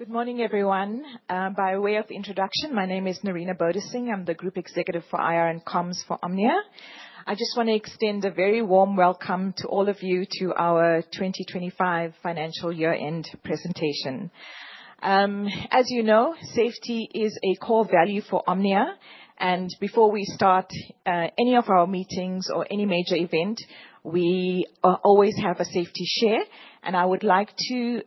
Good morning, everyone. By way of introduction, my name is Nerina Bodasing. I'm the Group Executive for IR and Comms for Omnia. I just want to extend a very warm welcome to all of you to our 2025 Financial Year-End Presentation. As you know, safety is a core value for Omnia. Before we start any of our meetings or any major event, we always have a safety share. I would like to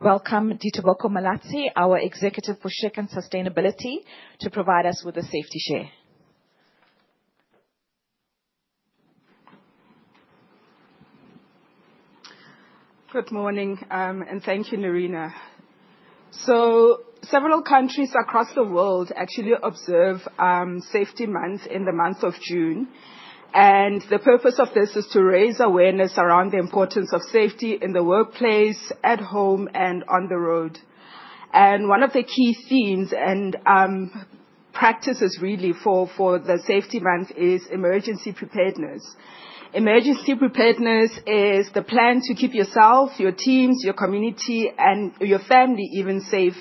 welcome Ditebogo Malatsi, our Executive for Shape and Sustainability, to provide us with a safety share. Good morning, and thank you, Nerina. Several countries across the world actually observe Safety Month in the month of June. The purpose of this is to raise awareness around the importance of safety in the workplace, at home, and on the road. One of the key themes and practices, really, for the Safety Month is emergency preparedness. Emergency preparedness is the plan to keep yourself, your teams, your community, and your family even safe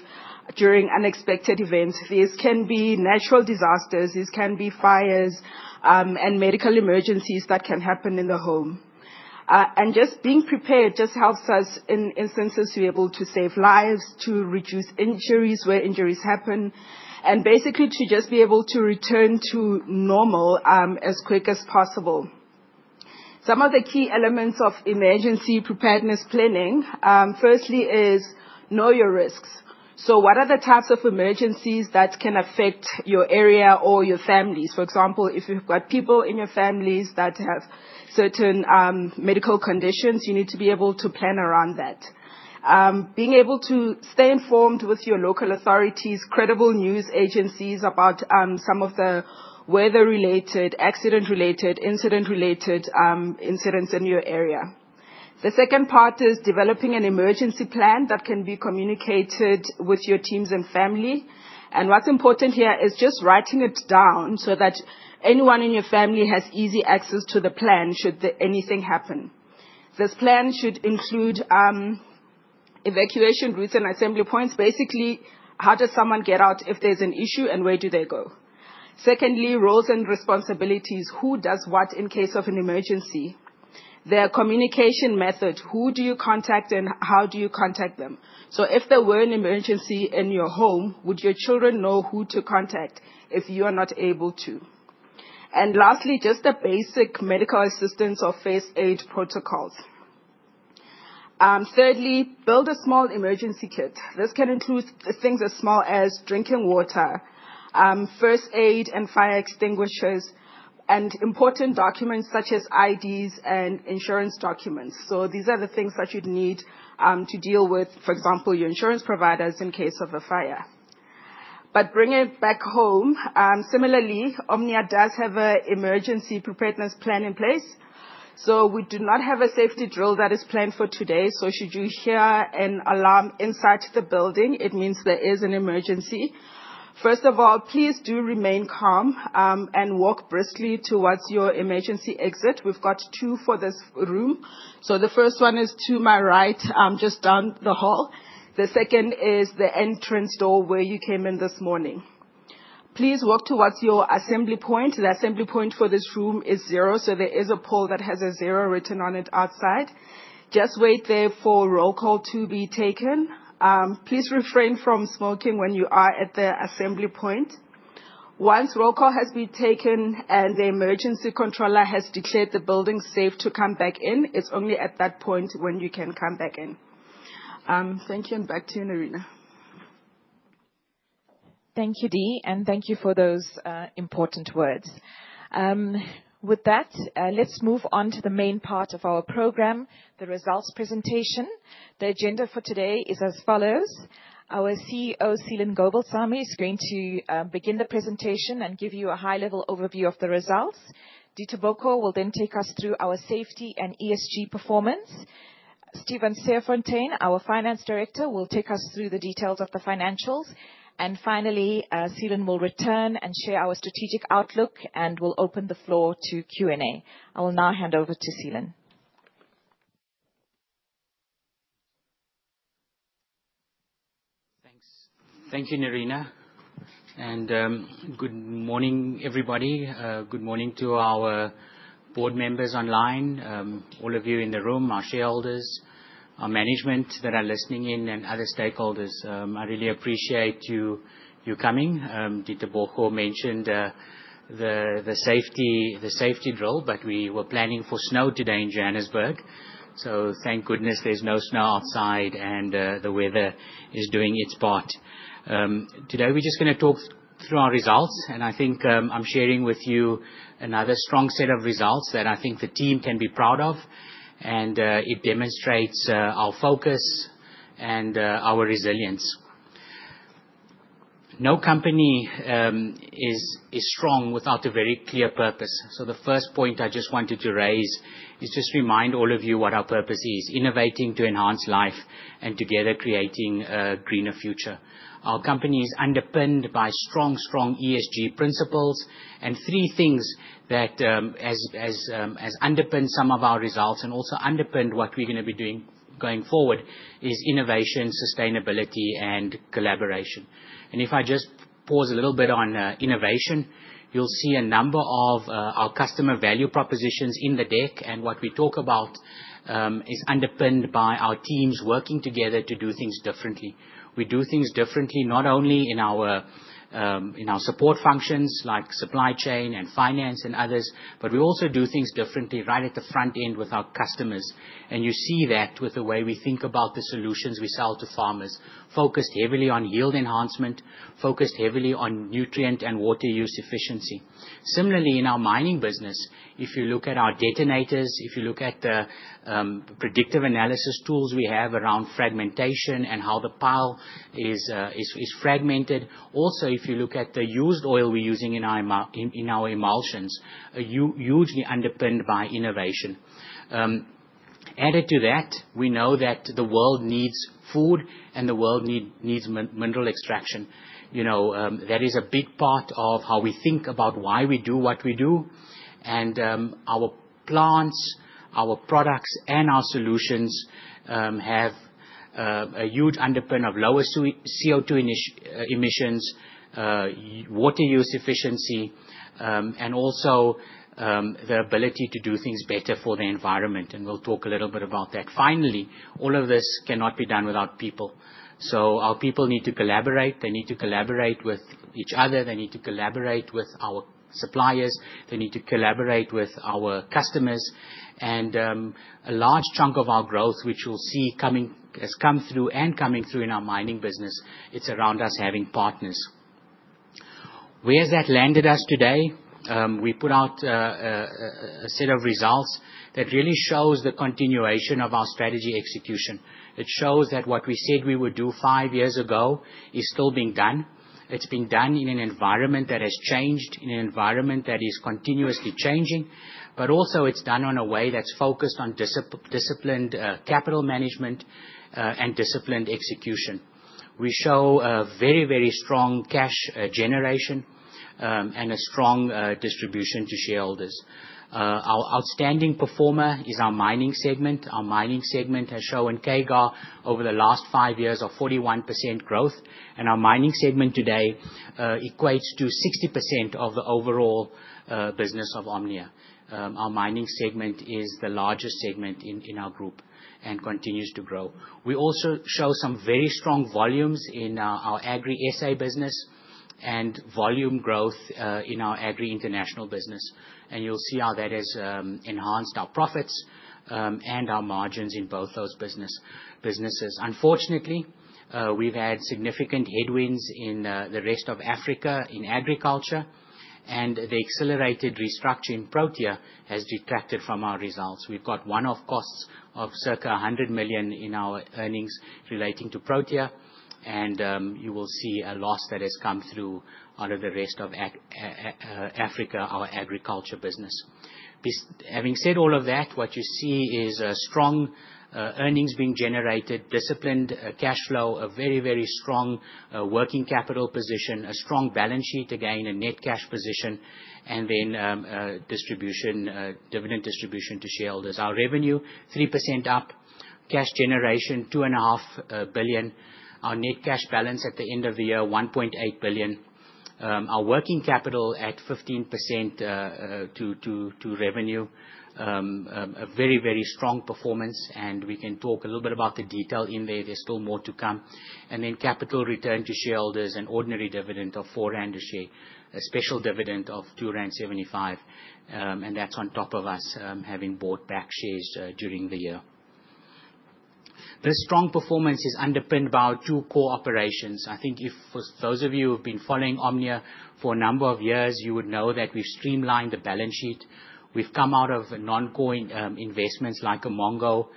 during unexpected events. These can be natural disasters. These can be fires and medical emergencies that can happen in the home. Just being prepared helps us in instances to be able to save lives, to reduce injuries where injuries happen, and basically to just be able to return to normal as quick as possible. Some of the key elements of emergency preparedness planning, firstly, is know your risks. What are the types of emergencies that can affect your area or your families? For example, if you've got people in your families that have certain medical conditions, you need to be able to plan around that. Being able to stay informed with your local authorities, credible news agencies about some of the weather-related, accident-related, incident-related incidents in your area. The second part is developing an emergency plan that can be communicated with your teams and family. What's important here is just writing it down so that anyone in your family has easy access to the plan should anything happen. This plan should include evacuation routes and assembly points. Basically, how does someone get out if there's an issue, and where do they go? Secondly, roles and responsibilities. Who does what in case of an emergency? The communication method. Who do you contact, and how do you contact them? If there were an emergency in your home, would your children know who to contact if you are not able to? Lastly, just the basic medical assistance or first-aid protocols. Thirdly, build a small emergency kit. This can include things as small as drinking water, first aid, fire extinguishers, and important documents such as IDs and insurance documents. These are the things that you'd need to deal with, for example, your insurance providers in case of a fire. Bring it back home. Similarly, Omnia does have an emergency preparedness plan in place. We do not have a safety drill that is planned for today. Should you hear an alarm inside the building, it means there is an emergency. First of all, please do remain calm and walk briskly towards your emergency exit. We've got two for this room. The first one is to my right, just down the hall. The second is the entrance door where you came in this morning. Please walk towards your assembly point. The assembly point for this room is zero, so there is a pole that has a zero written on it outside. Just wait there for roll call to be taken. Please refrain from smoking when you are at the assembly point. Once roll call has been taken and the emergency controller has declared the building safe to come back in, it's only at that point when you can come back in. Thank you, and back to you, Nerina. Thank you, Di, and thank you for those important words. With that, let's move on to the main part of our program, the results presentation. The agenda for today is as follows. Our CEO, Seelan Gobalsamy, is going to begin the presentation and give you a high-level overview of the results. Ditebogo will then take us through our safety and ESG performance. Stephan Serfontein, our Finance Director, will take us through the details of the financials. Finally, Seelan will return and share our strategic outlook and will open the floor to Q&A. I will now hand over to Seelan. Thanks. Thank you, Nerina. Good morning, everybody. Good morning to our board members online, all of you in the room, our shareholders, our management that are listening in, and other stakeholders. I really appreciate you coming. Ditebogo mentioned the safety drill, but we were planning for snow today in Johannesburg. Thank goodness there is no snow outside, and the weather is doing its part. Today, we are just going to talk through our results. I think I am sharing with you another strong set of results that I think the team can be proud of. It demonstrates our focus and our resilience. No company is strong without a very clear purpose. The first point I just wanted to raise is just to remind all of you what our purpose is: innovating to enhance life and together creating a greener future. Our company is underpinned by strong, strong ESG principles and three things that underpin some of our results and also underpin what we're going to be doing going forward is innovation, sustainability, and collaboration. If I just pause a little bit on innovation, you'll see a number of our customer value propositions in the deck. What we talk about is underpinned by our teams working together to do things differently. We do things differently not only in our support functions like supply chain and finance and others, but we also do things differently right at the front end with our customers. You see that with the way we think about the solutions we sell to farmers, focused heavily on yield enhancement, focused heavily on nutrient and water use efficiency. Similarly, in our mining business, if you look at our detonators, if you look at the predictive analysis tools we have around fragmentation and how the pile is fragmented, also, if you look at the used oil we're using in our emulsions, hugely underpinned by innovation. Added to that, we know that the world needs food, and the world needs mineral extraction. That is a big part of how we think about why we do what we do. Our plants, our products, and our solutions have a huge underpin of lower CO2 emissions, water use efficiency, and also the ability to do things better for the environment. We will talk a little bit about that. Finally, all of this cannot be done without people. Our people need to collaborate. They need to collaborate with each other. They need to collaborate with our suppliers. They need to collaborate with our customers. A large chunk of our growth, which you'll see has come through and coming through in our mining business, is around us having partners. Where has that landed us today? We put out a set of results that really shows the continuation of our strategy execution. It shows that what we said we would do five years ago is still being done. It is being done in an environment that has changed, in an environment that is continuously changing. It is also done in a way that's focused on disciplined capital management and disciplined execution. We show very, very strong cash generation and a strong distribution to shareholders. Our outstanding performer is our mining segment. Our mining segment has shown CAGR over the last five years of 41% growth. Our mining segment today equates to 60% of the overall business of Omnia. Our mining segment is the largest segment in our group and continues to grow. We also show some very strong volumes in our agri-SA business and volume growth in our agri-international business. You will see how that has enhanced our profits and our margins in both those businesses. Unfortunately, we've had significant headwinds in the rest of Africa in agriculture. The accelerated restructuring in Protea has detracted from our results. We've got one-off costs of circa 100 million in our earnings relating to Protea. You will see a loss that has come through out of the rest of Africa, our agriculture business. Having said all of that, what you see is strong earnings being generated, disciplined cash flow, a very, very strong working capital position, a strong balance sheet, again, a net cash position, then dividend distribution to shareholders. Our revenue, 3% up. Cash generation, 2.5 billion. Our net cash balance at the end of the year, 1.8 billion. Our working capital at 15% to revenue, a very, very strong performance. We can talk a little bit about the detail in there. There is still more to come. Then capital return to shareholders and ordinary dividend of 4.00 rand a share, a special dividend of 2.75 rand. That is on top of us having bought back shares during the year. This strong performance is underpinned by our two core operations. I think if those of you who have been following Omnia for a number of years, you would know that we've streamlined the balance sheet. We've come out of non-core investments like Umongo.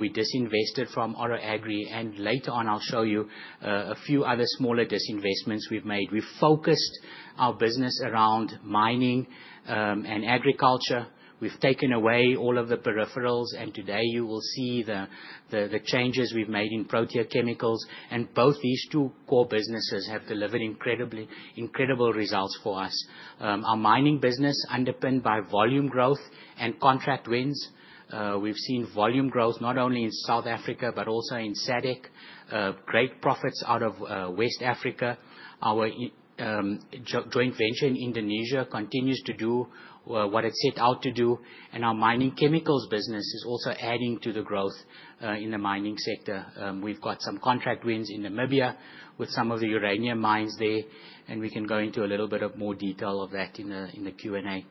We disinvested from Oro Agri. Later on, I'll show you a few other smaller disinvestments we've made. We've focused our business around mining and agriculture. We've taken away all of the peripherals. Today, you will see the changes we've made in Protea Chemicals. Both these two core businesses have delivered incredible results for us. Our mining business, underpinned by volume growth and contract wins, we've seen volume growth not only in South Africa but also in SADC. Great profits out of West Africa. Our joint venture in Indonesia continues to do what it set out to do. Our mining chemicals business is also adding to the growth in the mining sector. We've got some contract wins in Namibia with some of the uranium mines there. We can go into a little bit more detail of that in the Q&A.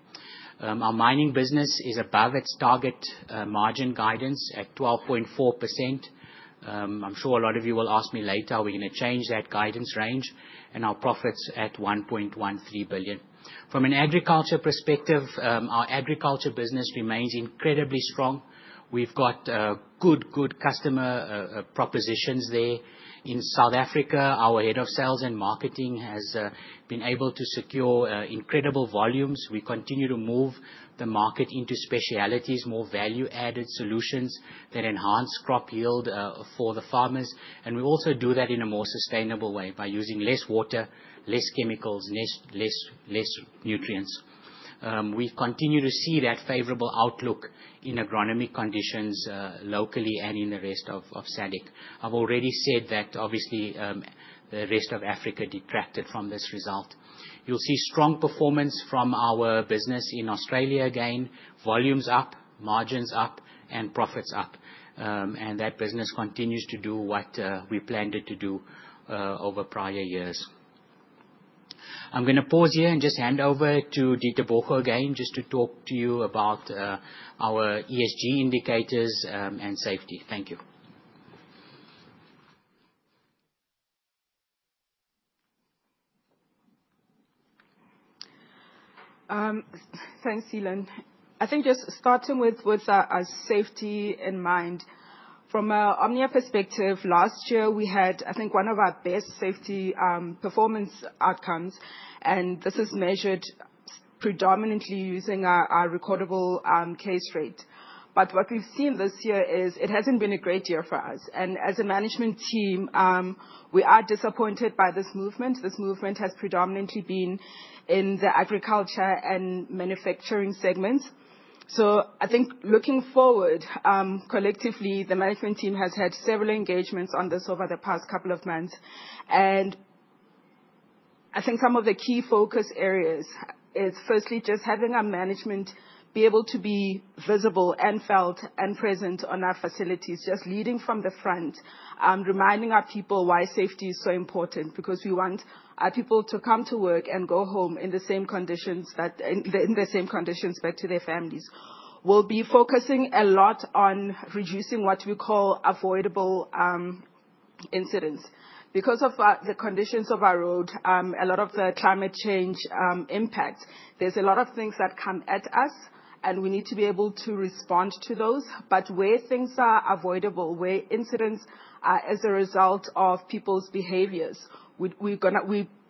Our mining business is above its target margin guidance at 12.4%. I'm sure a lot of you will ask me later, are we going to change that guidance range? Our profits at 1.13 billion. From an agriculture perspective, our agriculture business remains incredibly strong. We've got good customer propositions there. In South Africa, our Head of Sales and Marketing has been able to secure incredible volumes. We continue to move the market into specialties, more value-added solutions that enhance crop yield for the farmers. We also do that in a more sustainable way by using less water, less chemicals, less nutrients. We continue to see that favorable outlook in agronomic conditions locally and in the rest of SADC. I've already said that, obviously, the rest of Africa detracted from this result. You'll see strong performance from our business in Australia again. Volumes up, margins up, and profits up. That business continues to do what we planned it to do over prior years. I'm going to pause here and just hand over to Ditebogo again just to talk to you about our ESG indicators and safety. Thank you. Thanks, Seelan. I think just starting with safety in mind. From an Omnia perspective, last year, we had, I think, one of our best safety performance outcomes. This is measured predominantly using our recordable case rate. What we have seen this year is it has not been a great year for us. As a management team, we are disappointed by this movement. This movement has predominantly been in the agriculture and manufacturing segments. I think looking forward, collectively, the management team has had several engagements on this over the past couple of months. I think some of the key focus areas is, firstly, just having our management be able to be visible and felt and present on our facilities, just leading from the front, reminding our people why safety is so important, because we want our people to come to work and go home in the same conditions back to their families. We'll be focusing a lot on reducing what we call avoidable incidents. Because of the conditions of our road, a lot of the climate change impacts, there's a lot of things that come at us, and we need to be able to respond to those. Where things are avoidable, where incidents are as a result of people's behaviors, we've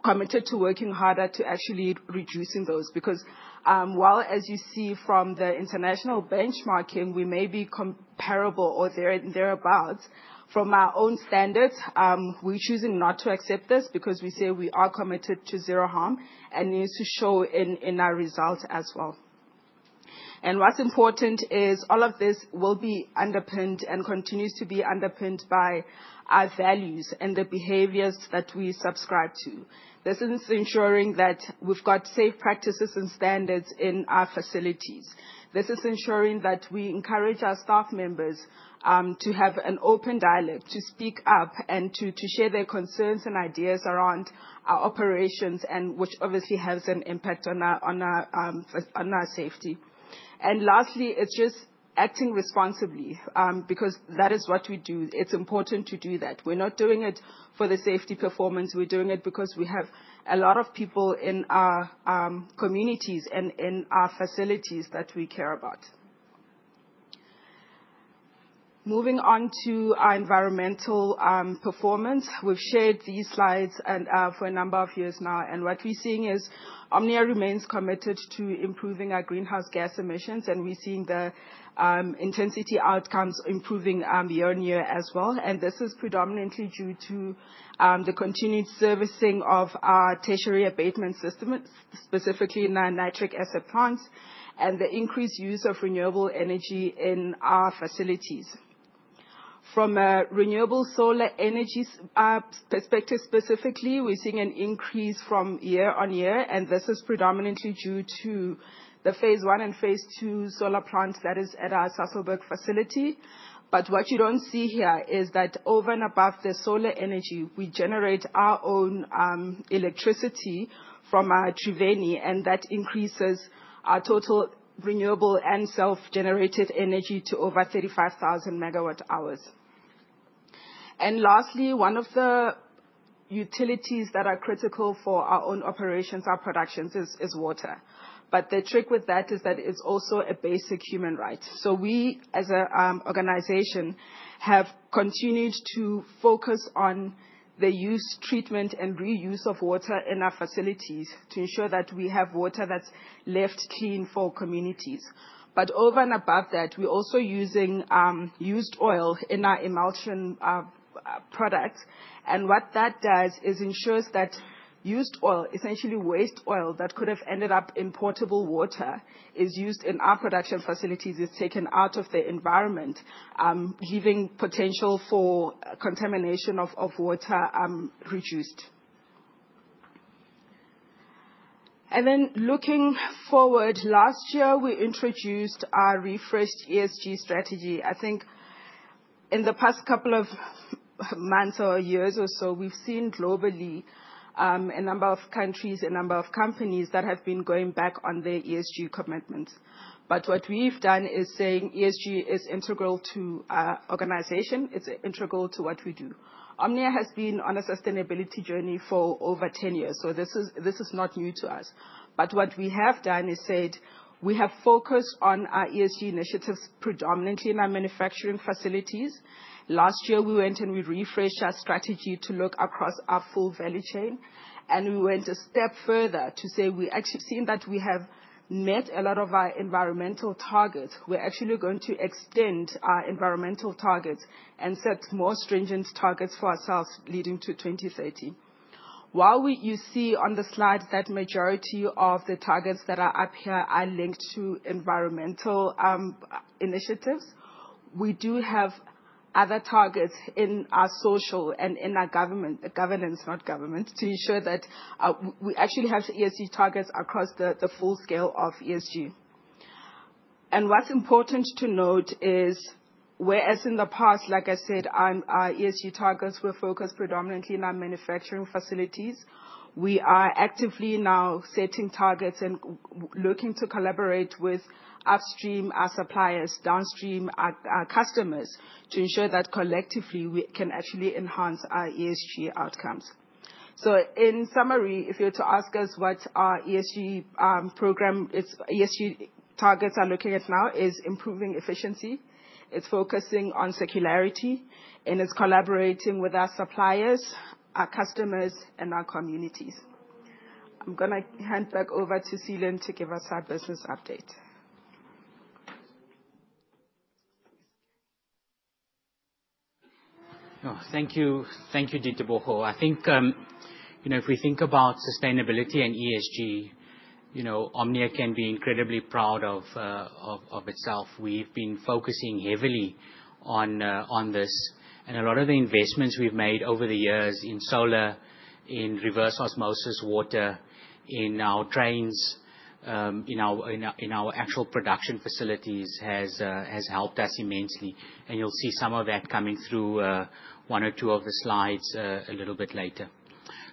committed to working harder to actually reduce those. Because while, as you see from the international benchmarking, we may be comparable or thereabouts, from our own standards, we're choosing not to accept this because we say we are committed to zero harm and need to show in our results as well. What's important is all of this will be underpinned and continues to be underpinned by our values and the behaviors that we subscribe to. This is ensuring that we've got safe practices and standards in our facilities. This is ensuring that we encourage our staff members to have an open dialogue, to speak up, and to share their concerns and ideas around our operations, which obviously has an impact on our safety. Lastly, it's just acting responsibly because that is what we do. It's important to do that. We're not doing it for the safety performance. We're doing it because we have a lot of people in our communities and in our facilities that we care about. Moving on to our environmental performance, we've shared these slides for a number of years now. What we're seeing is Omnia remains committed to improving our greenhouse gas emissions. We're seeing the intensity outcomes improving year on year as well. This is predominantly due to the continued servicing of our tertiary abatement systems, specifically in our nitric acid plants, and the increased use of renewable energy in our facilities. From a renewable solar energy perspective specifically, we're seeing an increase from year on year. This is predominantly due to the phase I and phase II solar plants that are at our Sasolburg facility. What you do not see here is that over and above the solar energy, we generate our own electricity from our Triveni. That increases our total renewable and self-generated energy to over 35,000 MWh. Lastly, one of the utilities that are critical for our own operations, our productions, is water. The trick with that is that it is also a basic human right. We, as an organization, have continued to focus on the use, treatment, and reuse of water in our facilities to ensure that we have water that is left clean for communities. Over and above that, we are also using used oil in our emulsion products. What that does is ensures that used oil, essentially waste oil that could have ended up in potable water, is used in our production facilities, is taken out of the environment, leaving potential for contamination of water reduced. Looking forward, last year, we introduced our refreshed ESG strategy. I think in the past couple of months or years or so, we've seen globally a number of countries, a number of companies that have been going back on their ESG commitments. What we've done is saying ESG is integral to our organization. It's integral to what we do. Omnia has been on a sustainability journey for over 10 years. This is not new to us. What we have done is said we have focused on our ESG initiatives predominantly in our manufacturing facilities. Last year, we went and we refreshed our strategy to look across our full value chain. We went a step further to say we've actually seen that we have met a lot of our environmental targets. We're actually going to extend our environmental targets and set more stringent targets for ourselves leading to 2030. While you see on the slides that majority of the targets that are up here are linked to environmental initiatives, we do have other targets in our social and in our governance, not government, to ensure that we actually have ESG targets across the full scale of ESG. What's important to note is, whereas in the past, like I said, our ESG targets were focused predominantly in our manufacturing facilities, we are actively now setting targets and looking to collaborate with upstream our suppliers, downstream our customers, to ensure that collectively we can actually enhance our ESG outcomes. In summary, if you were to ask us what our ESG program, its ESG targets are looking at now, it's improving efficiency. It's focusing on circularity. It's collaborating with our suppliers, our customers, and our communities. I'm going to hand back over to Seelan to give us our business update. Thank you, Ditebogo. I think if we think about sustainability and ESG, Omnia can be incredibly proud of itself. We've been focusing heavily on this. A lot of the investments we've made over the years in solar, in reverse osmosis water, in our trains, in our actual production facilities has helped us immensely. You'll see some of that coming through one or two of the slides a little bit later.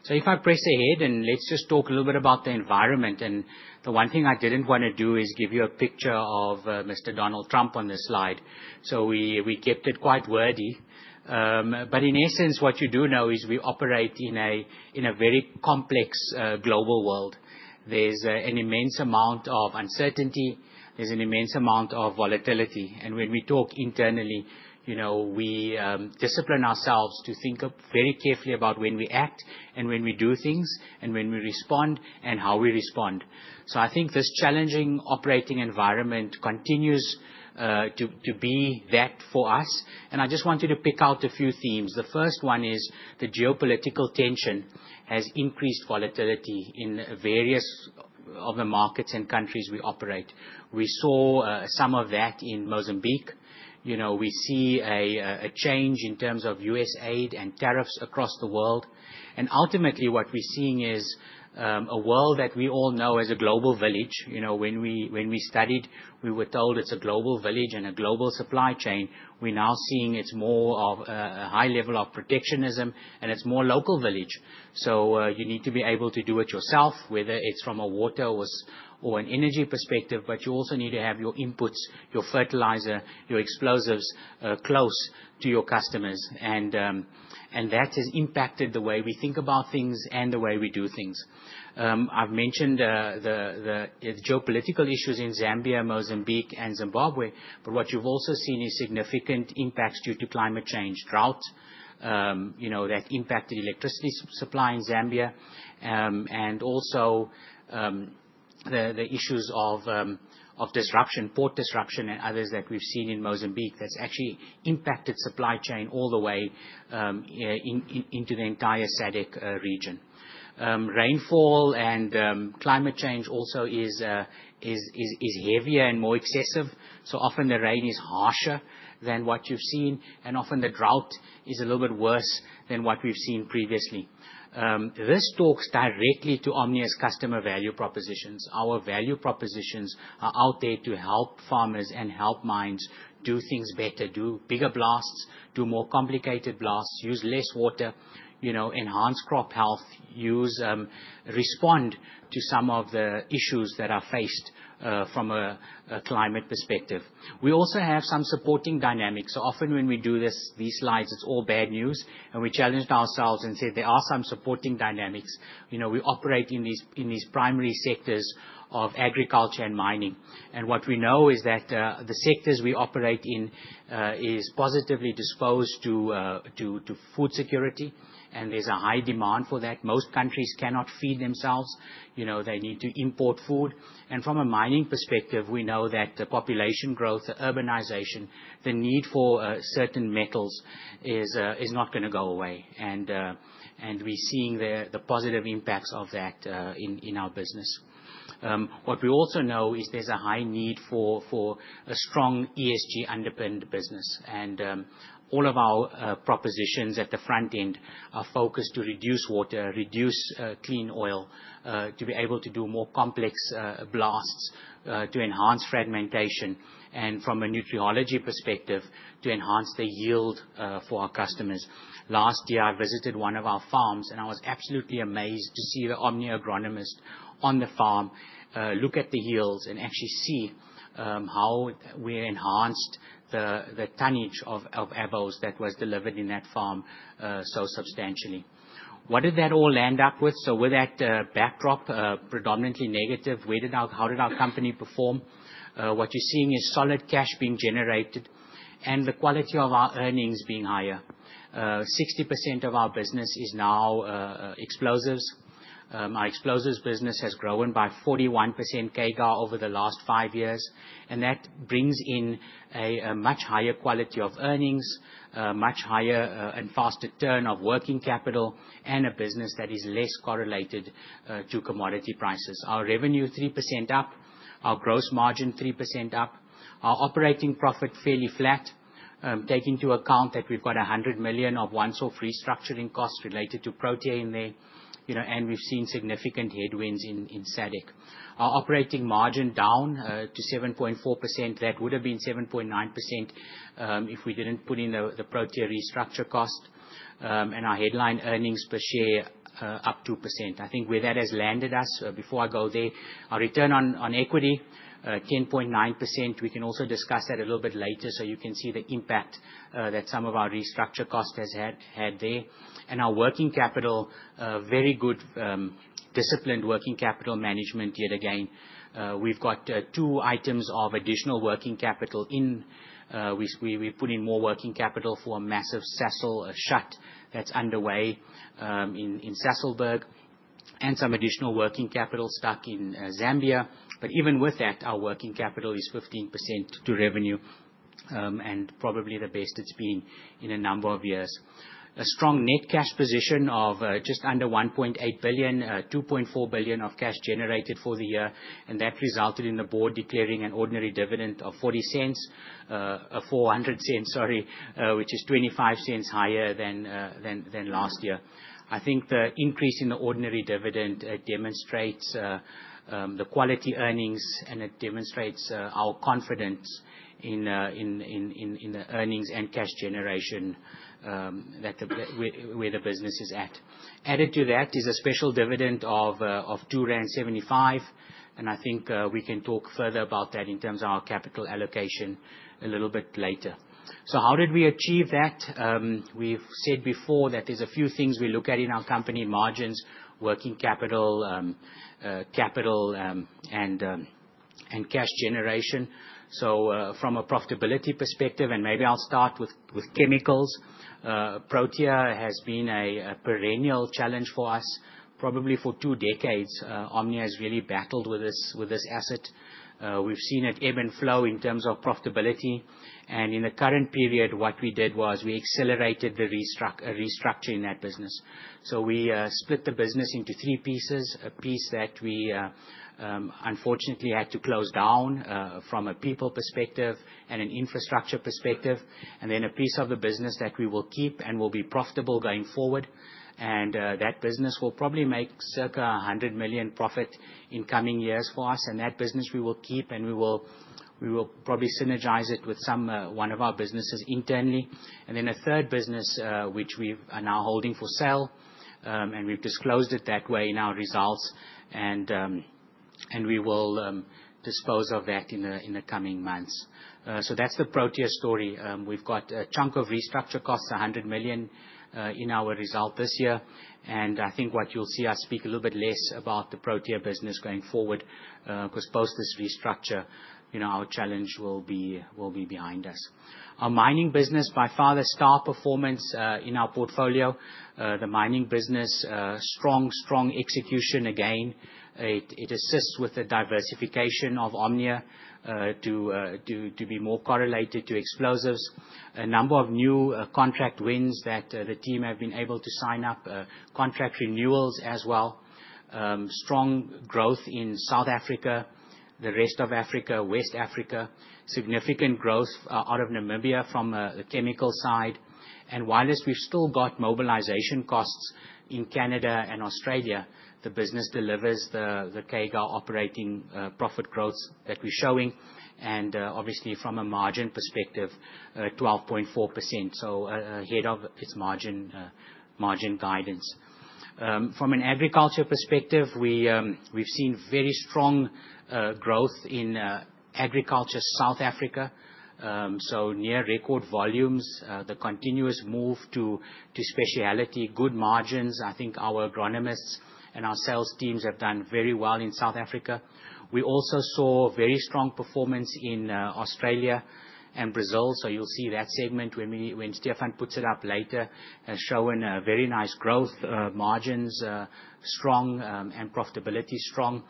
If I press ahead and let's just talk a little bit about the environment. The one thing I didn't want to do is give you a picture of Mr. Donald Trump on this slide. We kept it quite wordy. In essence, what you do know is we operate in a very complex global world. There's an immense amount of uncertainty. There's an immense amount of volatility. When we talk internally, we discipline ourselves to think very carefully about when we act and when we do things and when we respond and how we respond. I think this challenging operating environment continues to be that for us. I just wanted to pick out a few themes. The first one is the geopolitical tension has increased volatility in various of the markets and countries we operate. We saw some of that in Mozambique. We see a change in terms of U.S. aid and tariffs across the world. Ultimately, what we are seeing is a world that we all know as a global village. When we studied, we were told it is a global village and a global supply chain. We are now seeing it is more of a high level of protectionism and it is more local village. You need to be able to do it yourself, whether it's from a water or an energy perspective. You also need to have your inputs, your fertilizer, your explosives close to your customers. That has impacted the way we think about things and the way we do things. I've mentioned the geopolitical issues in Zambia, Mozambique, and Zimbabwe. What you've also seen is significant impacts due to climate change, drought that impacted electricity supply in Zambia, and also the issues of disruption, port disruption, and others that we've seen in Mozambique that have actually impacted supply chain all the way into the entire SADC region. Rainfall and climate change also is heavier and more excessive. Often the rain is harsher than what you've seen, and often the drought is a little bit worse than what we've seen previously. This talks directly to Omnia's customer value propositions. Our value propositions are out there to help farmers and help mines do things better, do bigger blasts, do more complicated blasts, use less water, enhance crop health, respond to some of the issues that are faced from a climate perspective. We also have some supporting dynamics. Often when we do these slides, it's all bad news. We challenged ourselves and said there are some supporting dynamics. We operate in these primary sectors of agriculture and mining. What we know is that the sectors we operate in are positively disposed to food security. There's a high demand for that. Most countries cannot feed themselves. They need to import food. From a mining perspective, we know that population growth, urbanization, the need for certain metals is not going to go away. We're seeing the positive impacts of that in our business. What we also know is there's a high need for a strong ESG underpinned business. All of our propositions at the front end are focused to reduce water, reduce clean oil, to be able to do more complex blasts, to enhance fragmentation, and from a nutriology perspective, to enhance the yield for our customers. Last year, I visited one of our farms, and I was absolutely amazed to see the Omnia agronomist on the farm look at the yields and actually see how we enhanced the tonnage of EBOS that was delivered in that farm so substantially. What did that all land up with? With that backdrop, predominantly negative, how did our company perform? What you're seeing is solid cash being generated and the quality of our earnings being higher. 60% of our business is now explosives. Our explosives business has grown by 41% CAGR over the last five years. That brings in a much higher quality of earnings, much higher and faster turn of working capital, and a business that is less correlated to commodity prices. Our revenue, 3% up. Our gross margin, 3% up. Our operating profit, fairly flat, taking into account that we've got 100 million of once-off restructuring costs related to Protea in there. We have seen significant headwinds in SADC. Our operating margin down to 7.4%. That would have been 7.9% if we did not put in the Protea restructure cost. Our headline earnings per share up 2%. I think where that has landed us, before I go there, our return on equity, 10.9%. We can also discuss that a little bit later so you can see the impact that some of our restructure cost has had there. Our working capital, very good disciplined working capital management yet again. We've got two items of additional working capital in. We've put in more working capital for a massive Sasol shut that's underway in Sasolburg and some additional working capital stuck in Zambia. Even with that, our working capital is 15% to revenue and probably the best it's been in a number of years. A strong net cash position of just under 1.8 billion, 2.4 billion of cash generated for the year. That resulted in the board declaring an ordinary dividend of 4, sorry, which is 0.25 higher than last year. I think the increase in the ordinary dividend demonstrates the quality earnings, and it demonstrates our confidence in the earnings and cash generation where the business is at. Added to that is a special dividend of 2.75 rand. I think we can talk further about that in terms of our capital allocation a little bit later. How did we achieve that? We've said before that there's a few things we look at in our company: margins, working capital, capital, and cash generation. From a profitability perspective, and maybe I'll start with chemicals, Protea has been a perennial challenge for us. Probably for two decades, Omnia has really battled with this asset. We've seen it ebb and flow in terms of profitability. In the current period, what we did was we accelerated the restructuring in that business. We split the business into three pieces: a piece that we unfortunately had to close down from a people perspective and an infrastructure perspective, and then a piece of the business that we will keep and will be profitable going forward. That business will probably make circa 100 million profit in coming years for us. That business we will keep, and we will probably synergize it with one of our businesses internally. A third business, which we are now holding for sale, we have disclosed it that way in our results. We will dispose of that in the coming months. That is the Protea story. We have got a chunk of restructure costs, 100 million in our result this year. I think you will see us speak a little bit less about the Protea business going forward because post this restructure, our challenge will be behind us. Our mining business, by far, the star performance in our portfolio, the mining business, strong, strong execution again. It assists with the diversification of Omnia to be more correlated to explosives. A number of new contract wins that the team have been able to sign up, contract renewals as well. Strong growth in South Africa, the rest of Africa, West Africa, significant growth out of Namibia from the chemical side. While we've still got mobilization costs in Canada and Australia, the business delivers the CAGR operating profit growth that we're showing. Obviously, from a margin perspective, 12.4%. So ahead of its margin guidance. From an agriculture perspective, we've seen very strong growth in agriculture South Africa. Near record volumes, the continuous move to speciality, good margins. I think our agronomists and our sales teams have done very well in South Africa. We also saw very strong performance in Australia and Brazil. You'll see that segment when Stephan puts it up later has shown very nice growth margins, strong and profitability strong.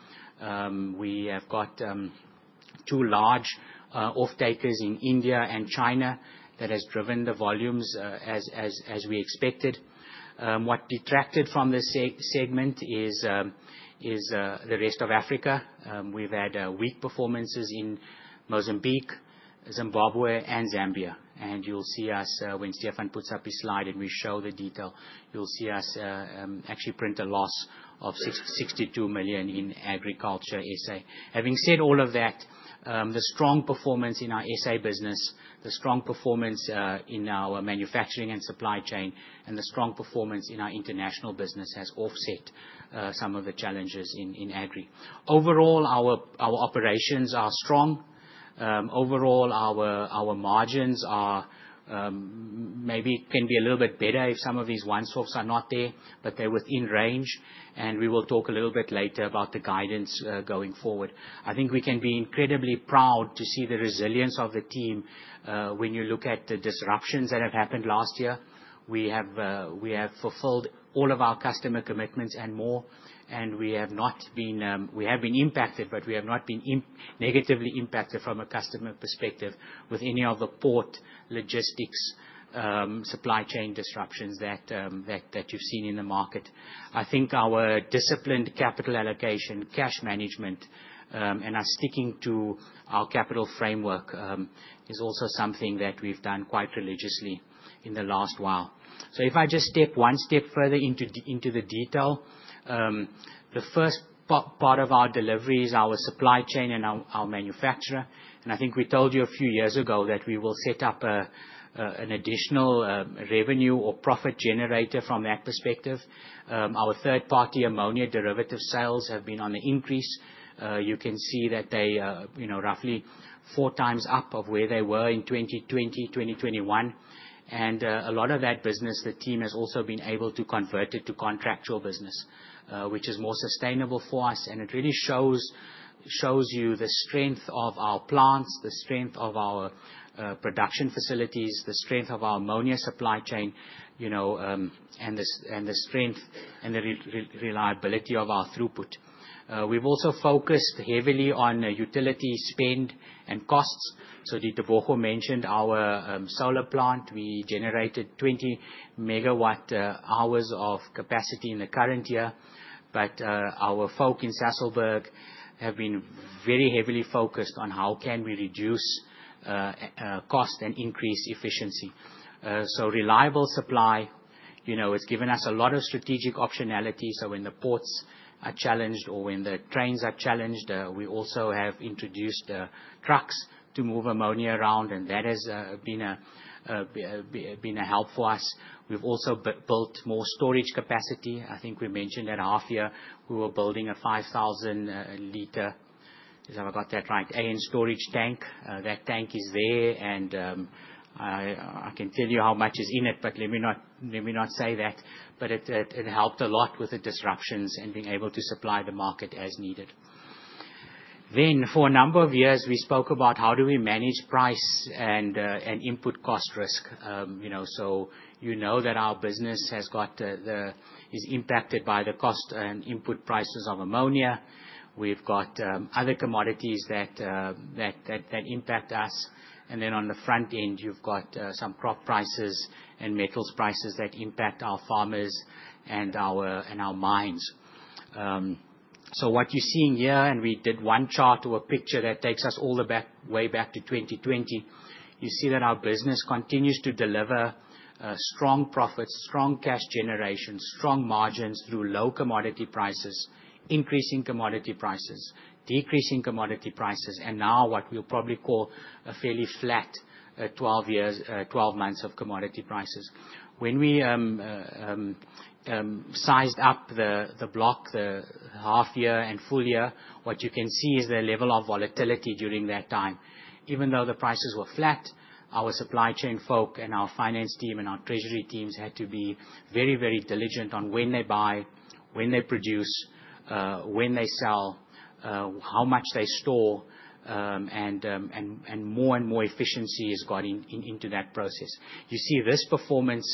We have got two large off-takers in India and China that has driven the volumes as we expected. What detracted from this segment is the rest of Africa. We've had weak performances in Mozambique, Zimbabwe, and Zambia. You'll see us when Stephan puts up his slide and we show the detail. You'll see us actually print a loss of 62 million in agriculture SA. Having said all of that, the strong performance in our SA business, the strong performance in our manufacturing and supply chain, and the strong performance in our international business has offset some of the challenges in agri. Overall, our operations are strong. Overall, our margins maybe can be a little bit better if some of these once-offs are not there, but they're within range. We will talk a little bit later about the guidance going forward. I think we can be incredibly proud to see the resilience of the team when you look at the disruptions that have happened last year. We have fulfilled all of our customer commitments and more. We have been impacted, but we have not been negatively impacted from a customer perspective with any of the port logistics supply chain disruptions that you've seen in the market. I think our disciplined capital allocation, cash management, and our sticking to our capital framework is also something that we've done quite religiously in the last while. If I just step one step further into the detail, the first part of our delivery is our supply chain and our manufacturer. I think we told you a few years ago that we will set up an additional revenue or profit generator from that perspective. Our third-party ammonia derivative sales have been on the increase. You can see that they are roughly four times up of where they were in 2020, 2021. A lot of that business, the team has also been able to convert it to contractual business, which is more sustainable for us. It really shows you the strength of our plants, the strength of our production facilities, the strength of our ammonia supply chain, and the strength and the reliability of our throughput. We have also focused heavily on utility spend and costs. Ditebogo mentioned our solar plant. We generated 20 MWh of capacity in the current year. Our folk in Sasolburg have been very heavily focused on how can we reduce cost and increase efficiency. Reliable supply has given us a lot of strategic optionality. When the ports are challenged or when the trains are challenged, we also have introduced trucks to move ammonia around. That has been a help for us. We have also built more storage capacity. I think we mentioned at half year, we were building a 5,000 L, if I got that right, AN storage tank. That tank is there. I can tell you how much is in it, but let me not say that. It helped a lot with the disruptions and being able to supply the market as needed. For a number of years, we spoke about how do we manage price and input cost risk. You know that our business is impacted by the cost and input prices of ammonia. We have other commodities that impact us. On the front end, you've got some crop prices and metals prices that impact our farmers and our mines. What you're seeing here, and we did one chart or a picture that takes us all the way back to 2020, you see that our business continues to deliver strong profits, strong cash generation, strong margins through low commodity prices, increasing commodity prices, decreasing commodity prices, and now what we'll probably call a fairly flat 12 months of commodity prices. When we sized up the block, the half year and full year, what you can see is the level of volatility during that time. Even though the prices were flat, our supply chain folk and our finance team and our treasury teams had to be very, very diligent on when they buy, when they produce, when they sell, how much they store. More and more efficiency is got into that process. You see this performance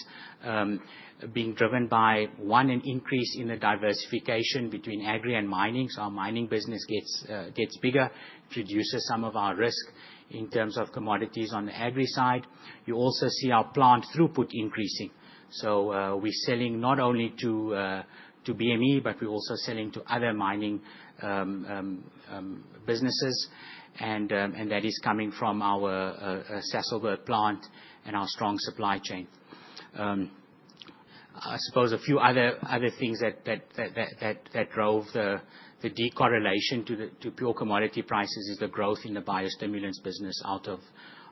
being driven by, one, an increase in the diversification between agri and mining. Our mining business gets bigger, reduces some of our risk in terms of commodities on the agri side. You also see our plant throughput increasing. We are selling not only to BME, but we are also selling to other mining businesses. That is coming from our Sasolburg plant and our strong supply chain. I suppose a few other things that drove the decorrelation to pure commodity prices is the growth in the biostimulants business out of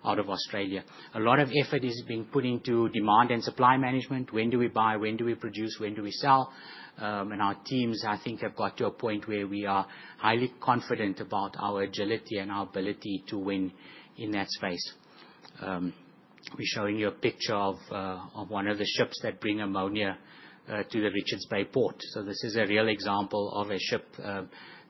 Australia. A lot of effort is being put into demand and supply management. When do we buy, when do we produce, when do we sell? Our teams, I think, have got to a point where we are highly confident about our agility and our ability to win in that space. We are showing you a picture of one of the ships that bring ammonia to the Richards Bay port. This is a real example of a ship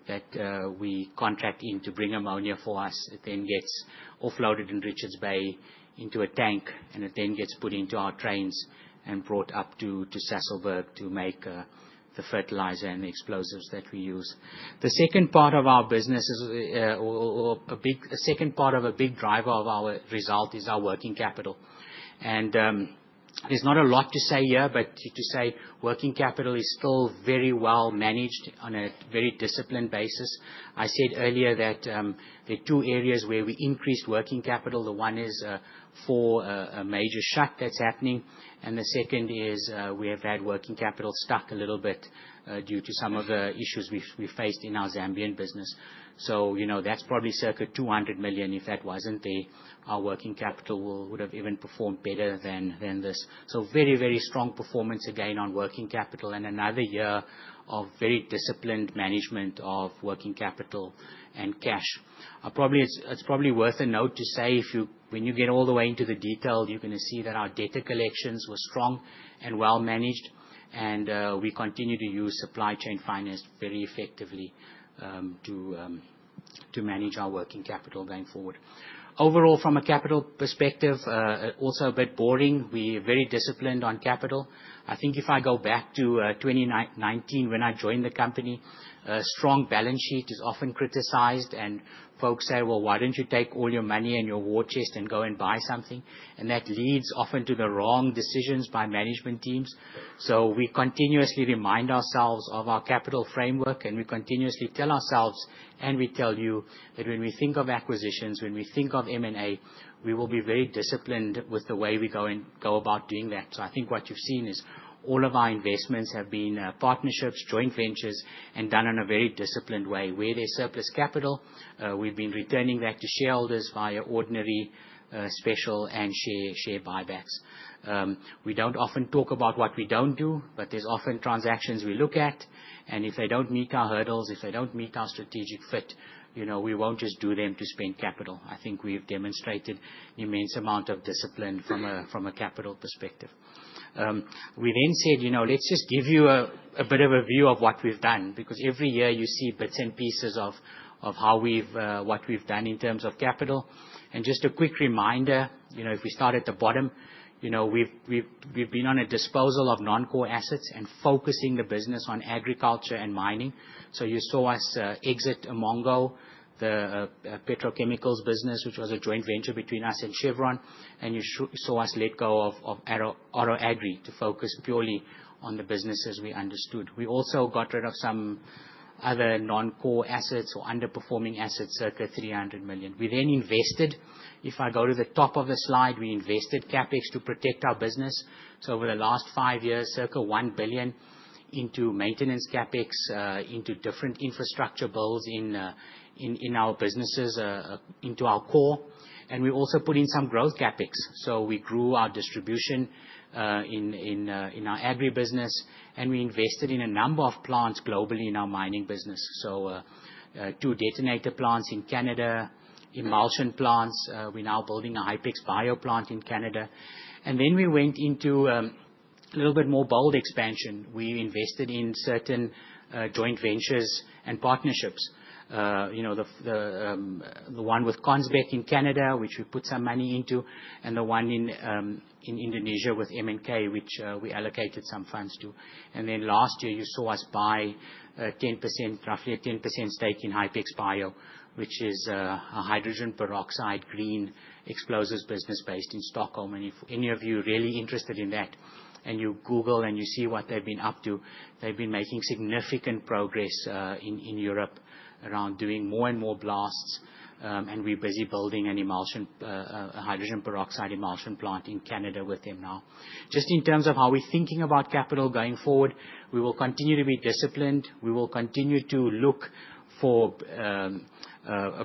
that we contract in to bring ammonia for us. It then gets offloaded in Richards Bay into a tank, and it then gets put into our trains and brought up to Sasolburg to make the fertilizer and the explosives that we use. The second part of our business is a big second part of a big driver of our result is our working capital. There is not a lot to say here, but to say working capital is still very well managed on a very disciplined basis. I said earlier that there are two areas where we increased working capital. The one is for a major shut that's happening. The second is we have had working capital stuck a little bit due to some of the issues we faced in our Zambian business. That's probably circa 200 million. If that wasn't there, our working capital would have even performed better than this. Very, very strong performance again on working capital and another year of very disciplined management of working capital and cash. It's probably worth a note to say when you get all the way into the detail, you're going to see that our data collections were strong and well managed. We continue to use supply chain finance very effectively to manage our working capital going forward. Overall, from a capital perspective, also a bit boring. We're very disciplined on capital. I think if I go back to 2019 when I joined the company, a strong balance sheet is often criticized. Folks say, "Well, why don't you take all your money and your war chest and go and buy something?" That leads often to the wrong decisions by management teams. We continuously remind ourselves of our capital framework, and we continuously tell ourselves, and we tell you that when we think of acquisitions, when we think of M&A, we will be very disciplined with the way we go about doing that. I think what you've seen is all of our investments have been partnerships, joint ventures, and done in a very disciplined way. Where there's surplus capital, we've been returning that to shareholders via ordinary, special, and share buybacks. We do not often talk about what we do not do, but there are often transactions we look at. If they do not meet our hurdles, if they do not meet our strategic fit, we will not just do them to spend capital. I think we have demonstrated an immense amount of discipline from a capital perspective. We then said, "Let's just give you a bit of a view of what we have done," because every year you see bits and pieces of what we have done in terms of capital. Just a quick reminder, if we start at the bottom, we have been on a disposal of non-core assets and focusing the business on agriculture and mining. You saw us exit Umongo, the petrochemicals business, which was a joint venture between us and Chevron. You saw us let go of Oro Agri to focus purely on the businesses we understood. We also got rid of some other non-core assets or underperforming assets circa 300 million. We then invested. If I go to the top of the slide, we invested CapEx to protect our business. Over the last five years, circa 1 billion into maintenance CapEx, into different infrastructure builds in our businesses, into our core. We also put in some growth CapEx. We grew our distribution in our agri business, and we invested in a number of plants globally in our mining business. Two detonator plants in Canada, emulsion plants. We are now building a Hypex Bio plant in Canada. We went into a little bit more bold expansion. We invested in certain joint ventures and partnerships. The one with [Conzbeck] in Canada, which we put some money into, and the one in Indonesia with MNK, which we allocated some funds to. Last year, you saw us buy roughly a 10% stake in Hypex Bio, which is a hydrogen peroxide green explosives business based in Stockholm. If any of you are really interested in that and you Google and you see what they've been up to, they've been making significant progress in Europe around doing more and more blasts. We are busy building a hydrogen peroxide emulsion plant in Canada with them now. Just in terms of how we are thinking about capital going forward, we will continue to be disciplined. We will continue to look for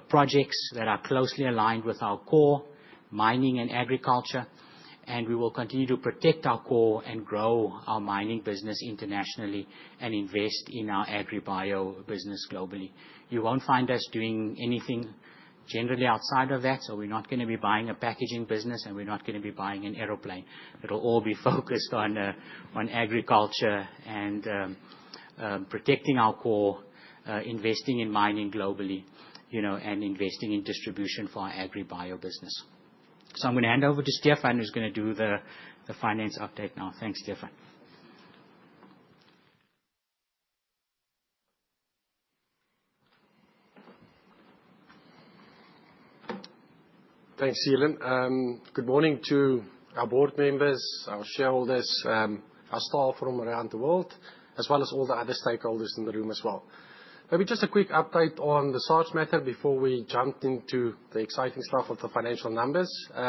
projects that are closely aligned with our core, mining and agriculture. We will continue to protect our core and grow our mining business internationally and invest in our agri-bio business globally. You will not find us doing anything generally outside of that. We're not going to be buying a packaging business, and we're not going to be buying an aeroplane. It'll all be focused on agriculture and protecting our core, investing in mining globally, and investing in distribution for our agri-bio business. I'm going to hand over to Stephan, who's going to do the finance update now. Thanks, Stephan. Thanks, Seelan. Good morning to our board members, our shareholders, our staff from around the world, as well as all the other stakeholders in the room as well. Maybe just a quick update on the Search matter before we jump into the exciting stuff of the financial numbers. We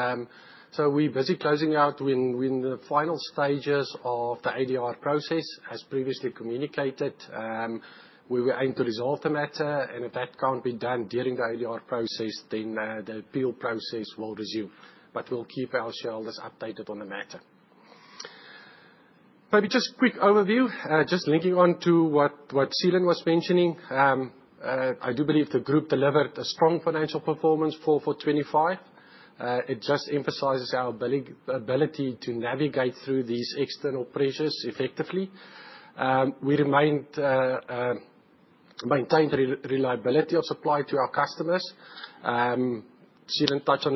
are busy closing out. We are in the final stages of the ADR process, as previously communicated. We were aimed to resolve the matter. If that cannot be done during the ADR process, then the appeal process will resume. We will keep our shareholders updated on the matter. Maybe just a quick overview, just linking on to what Seelan was mentioning. I do believe the group delivered a strong financial performance for 2025. It just emphasizes our ability to navigate through these external pressures effectively. We maintained reliability of supply to our customers. Seelan touched on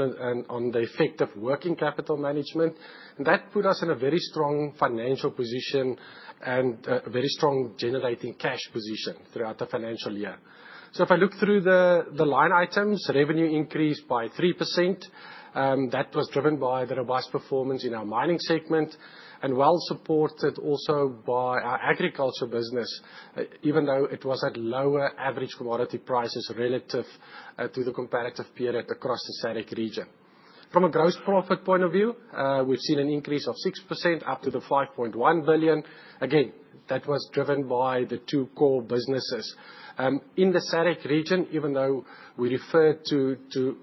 the effective working capital management. That put us in a very strong financial position and a very strong generating cash position throughout the financial year. If I look through the line items, revenue increased by 3%. That was driven by the robust performance in our mining segment and well supported also by our agriculture business, even though it was at lower average commodity prices relative to the comparative period across the SADC region. From a gross profit point of view, we have seen an increase of 6% up to 5.1 billion. Again, that was driven by the two core businesses. In the SADC region, even though we referred to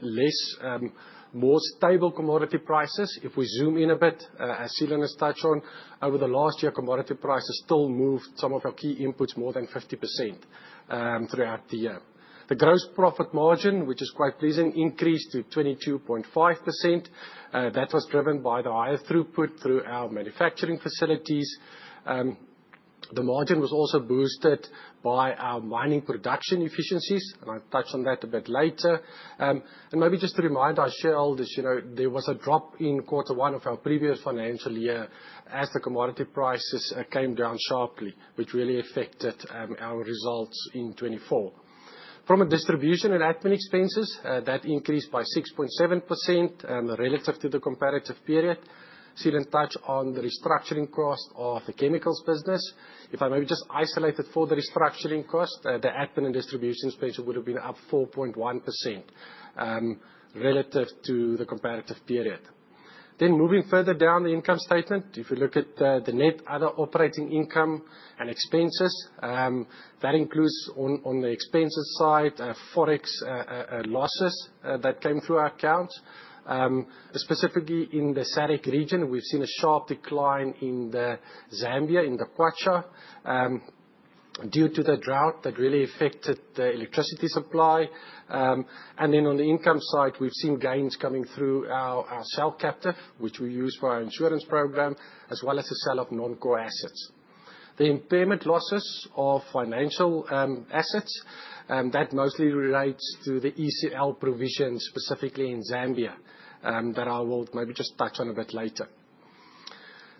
less, more stable commodity prices, if we zoom in a bit, as Seelan has touched on, over the last year, commodity prices still moved some of our key inputs more than 50% throughout the year. The gross profit margin, which is quite pleasing, increased to 22.5%. That was driven by the higher throughput through our manufacturing facilities. The margin was also boosted by our mining production efficiencies. I'll touch on that a bit later. Maybe just to remind our shareholders, there was a drop in quarter one of our previous financial year as the commodity prices came down sharply, which really affected our results in 2024. From a distribution and admin expenses, that increased by 6.7% relative to the comparative period. Seelan touched on the restructuring cost of the chemicals business. If I maybe just isolate it for the restructuring cost, the admin and distribution expenses would have been up 4.1% relative to the comparative period. Moving further down the income statement, if we look at the net other operating income and expenses, that includes on the expenses side, forex losses that came through our accounts. Specifically in the SADC region, we have seen a sharp decline in Zambia, in the Kwacha, due to the drought that really affected the electricity supply. On the income side, we have seen gains coming through our shell captive, which we use for our insurance program, as well as the sale of non-core assets. The impairment losses of financial assets mostly relate to the ECL provisions, specifically in Zambia, that I will maybe just touch on a bit later.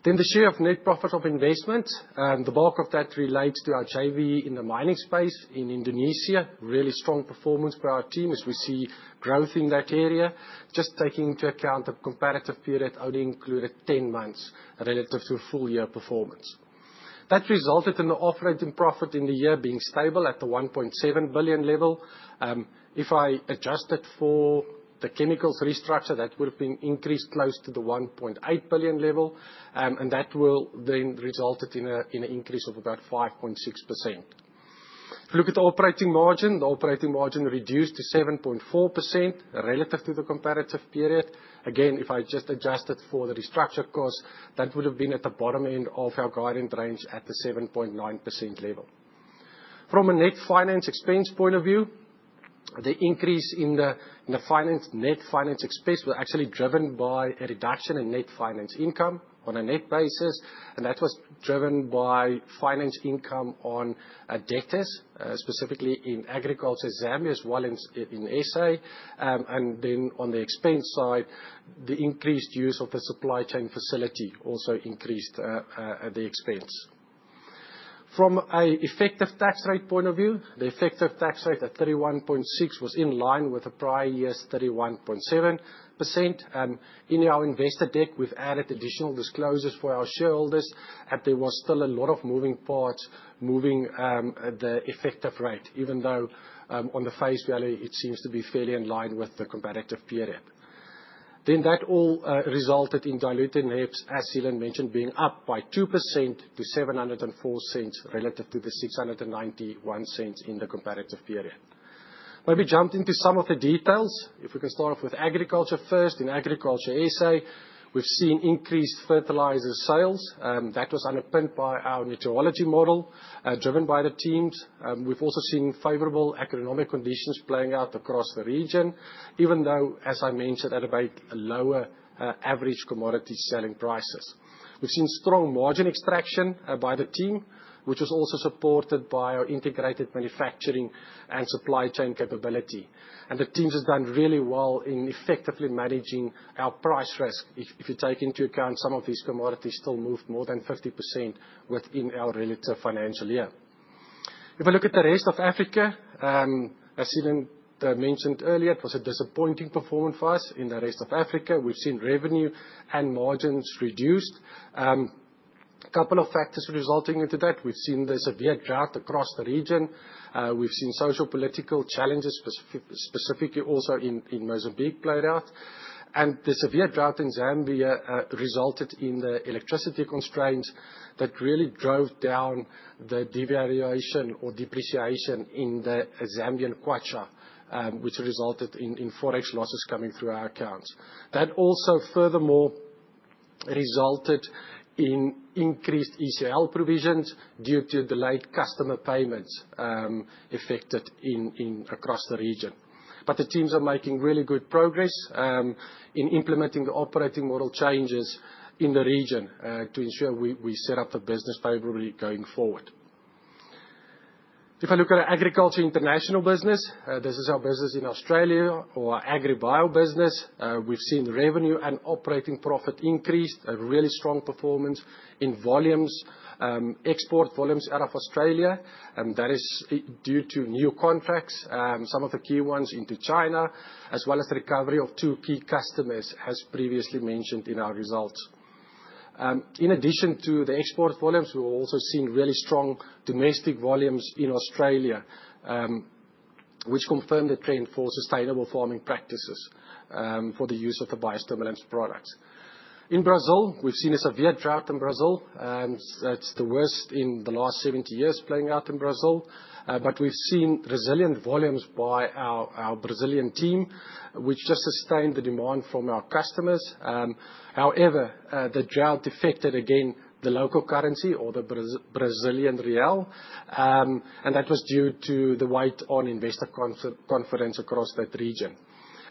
The share of net profit of investment, the bulk of that relates to our JV in the mining space in Indonesia. Really strong performance for our team as we see growth in that area, just taking into account the comparative period only included 10 months relative to full year performance. That resulted in the operating profit in the year being stable at the 1.7 billion level. If I adjusted for the chemicals restructure, that would have been increased close to the 1.8 billion level. That will then result in an increase of about 5.6%. If we look at the operating margin, the operating margin reduced to 7.4% relative to the comparative period. If I just adjusted for the restructure cost, that would have been at the bottom end of our guidance range at the 7.9% level. From a net finance expense point of view, the increase in the net finance expense was actually driven by a reduction in net finance income on a net basis. That was driven by finance income on debtors, specifically in agriculture, Zambia, as well as in SA. On the expense side, the increased use of the supply chain facility also increased the expense. From an effective tax rate point of view, the effective tax rate at 31.6% was in line with the prior year's 31.7%. In our investor deck, we have added additional disclosures for our shareholders that there was still a lot of moving parts moving the effective rate, even though on the face value, it seems to be fairly in line with the comparative period. That all resulted in diluted HEPS, as Seelan mentioned, being up by 2% to 7.04 relative to the 6.91 in the comparative period. Maybe jump into some of the details. If we can start off with agriculture first. In agriculture SA, we have seen increased fertilizer sales. That was underpinned by our meteorology model driven by the teams. We've also seen favorable economic conditions playing out across the region, even though, as I mentioned, at about lower average commodity selling prices. We've seen strong margin extraction by the team, which was also supported by our integrated manufacturing and supply chain capability. The team has done really well in effectively managing our price risk. If you take into account some of these commodities, still moved more than 50% within our relative financial year. If I look at the rest of Africa, as Seelan mentioned earlier, it was a disappointing performance for us in the rest of Africa. We've seen revenue and margins reduced. A couple of factors resulting into that. We've seen the severe drought across the region. We've seen social-political challenges, specifically also in Mozambique, played out. The severe drought in Zambia resulted in the electricity constraints that really drove down the devaluation or depreciation in the Zambian Kwacha, which resulted in forex losses coming through our accounts. That also furthermore resulted in increased ECL provisions due to delayed customer payments affected across the region. The teams are making really good progress in implementing the operating model changes in the region to ensure we set up the business favorably going forward. If I look at our agriculture international business, this is our business in Australia or our agri-bio business. We have seen revenue and operating profit increased, a really strong performance in volumes, export volumes out of Australia. That is due to new contracts, some of the key ones into China, as well as recovery of two key customers, as previously mentioned in our results. In addition to the export volumes, we've also seen really strong domestic volumes in Australia, which confirmed the trend for sustainable farming practices for the use of the biostimulants products. In Brazil, we've seen a severe drought in Brazil. It's the worst in the last 70 years playing out in Brazil. We've seen resilient volumes by our Brazilian team, which just sustained the demand from our customers. However, the drought affected again the local currency, or the Brazilian real. That was due to the weight on investor confidence across that region.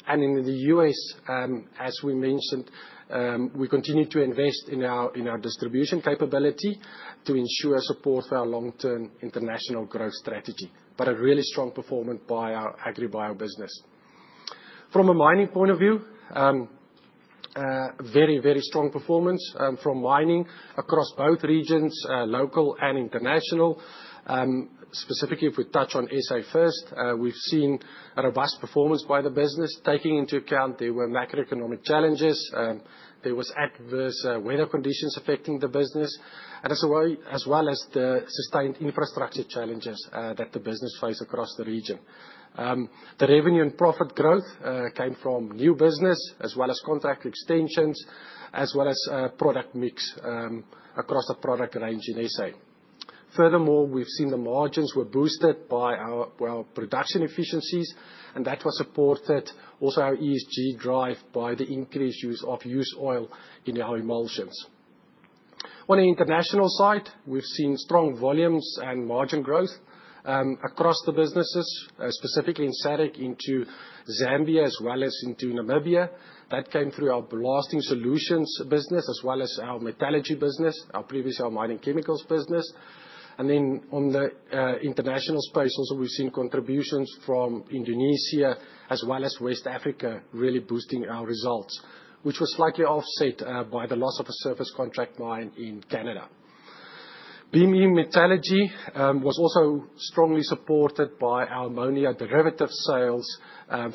In the U.S., as we mentioned, we continue to invest in our distribution capability to ensure support for our long-term international growth strategy. A really strong performance by our agri-bio business. From a mining point of view, very, very strong performance from mining across both regions, local and international. Specifically, if we touch on SA first, we've seen a robust performance by the business, taking into account there were macroeconomic challenges. There were adverse weather conditions affecting the business, as well as the sustained infrastructure challenges that the business faced across the region. The revenue and profit growth came from new business, as well as contract extensions, as well as product mix across the product range in SA. Furthermore, we've seen the margins were boosted by our production efficiencies. That was supported also by our ESG drive by the increased use of used oil in our emulsions. On the international side, we've seen strong volumes and margin growth across the businesses, specifically in SADC into Zambia, as well as into Namibia. That came through our blasting solutions business, as well as our metallurgy business, previously our mining chemicals business. In the international space, we have also seen contributions from Indonesia, as well as West Africa, really boosting our results, which was slightly offset by the loss of a surface contract mine in Canada. BME Metallurgy was also strongly supported by our ammonia derivative sales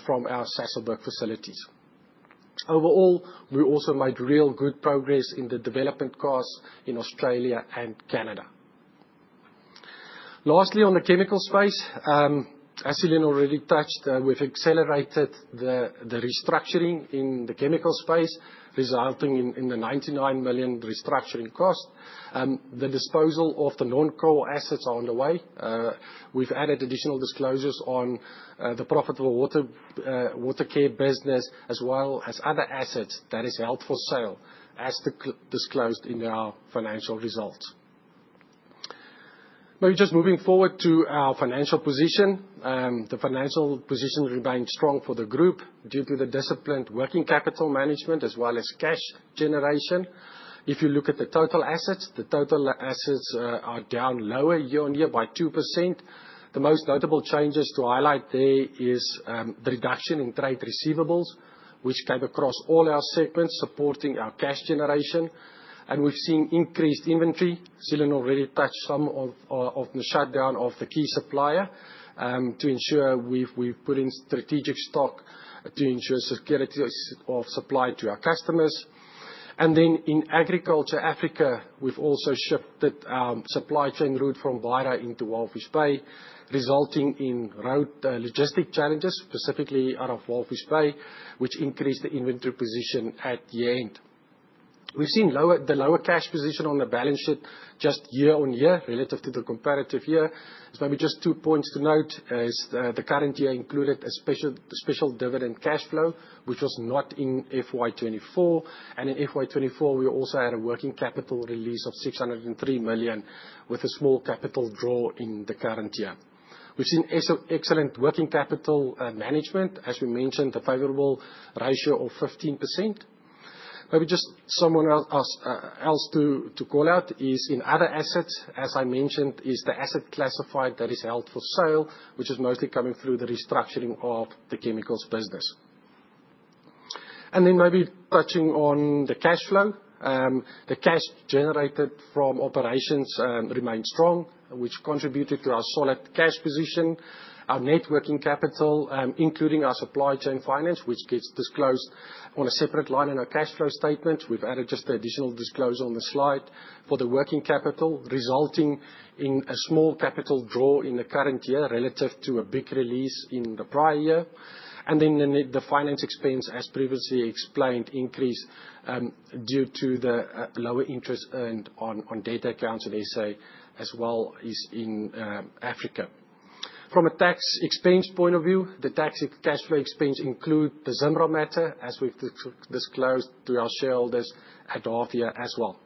from our Sasolburg facilities. Overall, we also made real good progress in the development costs in Australia and Canada. Lastly, in the chemical space, as Seelan already touched on, we have accelerated the restructuring in the chemical space, resulting in the 99 million restructuring cost. The disposal of the non-core assets is underway. We have added additional disclosures on the profitable water care business, as well as other assets that are held for sale, as disclosed in our financial results. Maybe just moving forward to our financial position. The financial position remained strong for the group due to the disciplined working capital management, as well as cash generation. If you look at the total assets, the total assets are down lower year on year by 2%. The most notable changes to highlight there is the reduction in trade receivables, which came across all our segments, supporting our cash generation. We have seen increased inventory. Seelan already touched some of the shutdown of the key supplier to ensure we have put in strategic stock to ensure security of supply to our customers. In agriculture, Africa, we have also shifted our supply chain route from Beira into Walvis Bay, resulting in road logistic challenges, specifically out of Walvis Bay, which increased the inventory position at the end. We have seen the lower cash position on the balance sheet just year on year relative to the comparative year. are maybe just two points to note as the current year included a special dividend cash flow, which was not in FY 2024. In FY 2024, we also had a working capital release of 603 million with a small capital draw in the current year. We have seen excellent working capital management, as we mentioned, a favorable ratio of 15%. Maybe just something else to call out is in other assets, as I mentioned, is the asset classified that is held for sale, which is mostly coming through the restructuring of the chemicals business. Maybe touching on the cash flow, the cash generated from operations remained strong, which contributed to our solid cash position. Our net working capital, including our supply chain finance, which gets disclosed on a separate line in our cash flow statement. We've added just the additional disclosure on the slide for the working capital, resulting in a small capital draw in the current year relative to a big release in the prior year. The finance expense, as previously explained, increased due to the lower interest earned on debtor accounts in SA, as well as in Africa. From a tax expense point of view, the tax cash flow expense includes the ZIMRA matter, as we've disclosed to our shareholders at [Darthia] as well.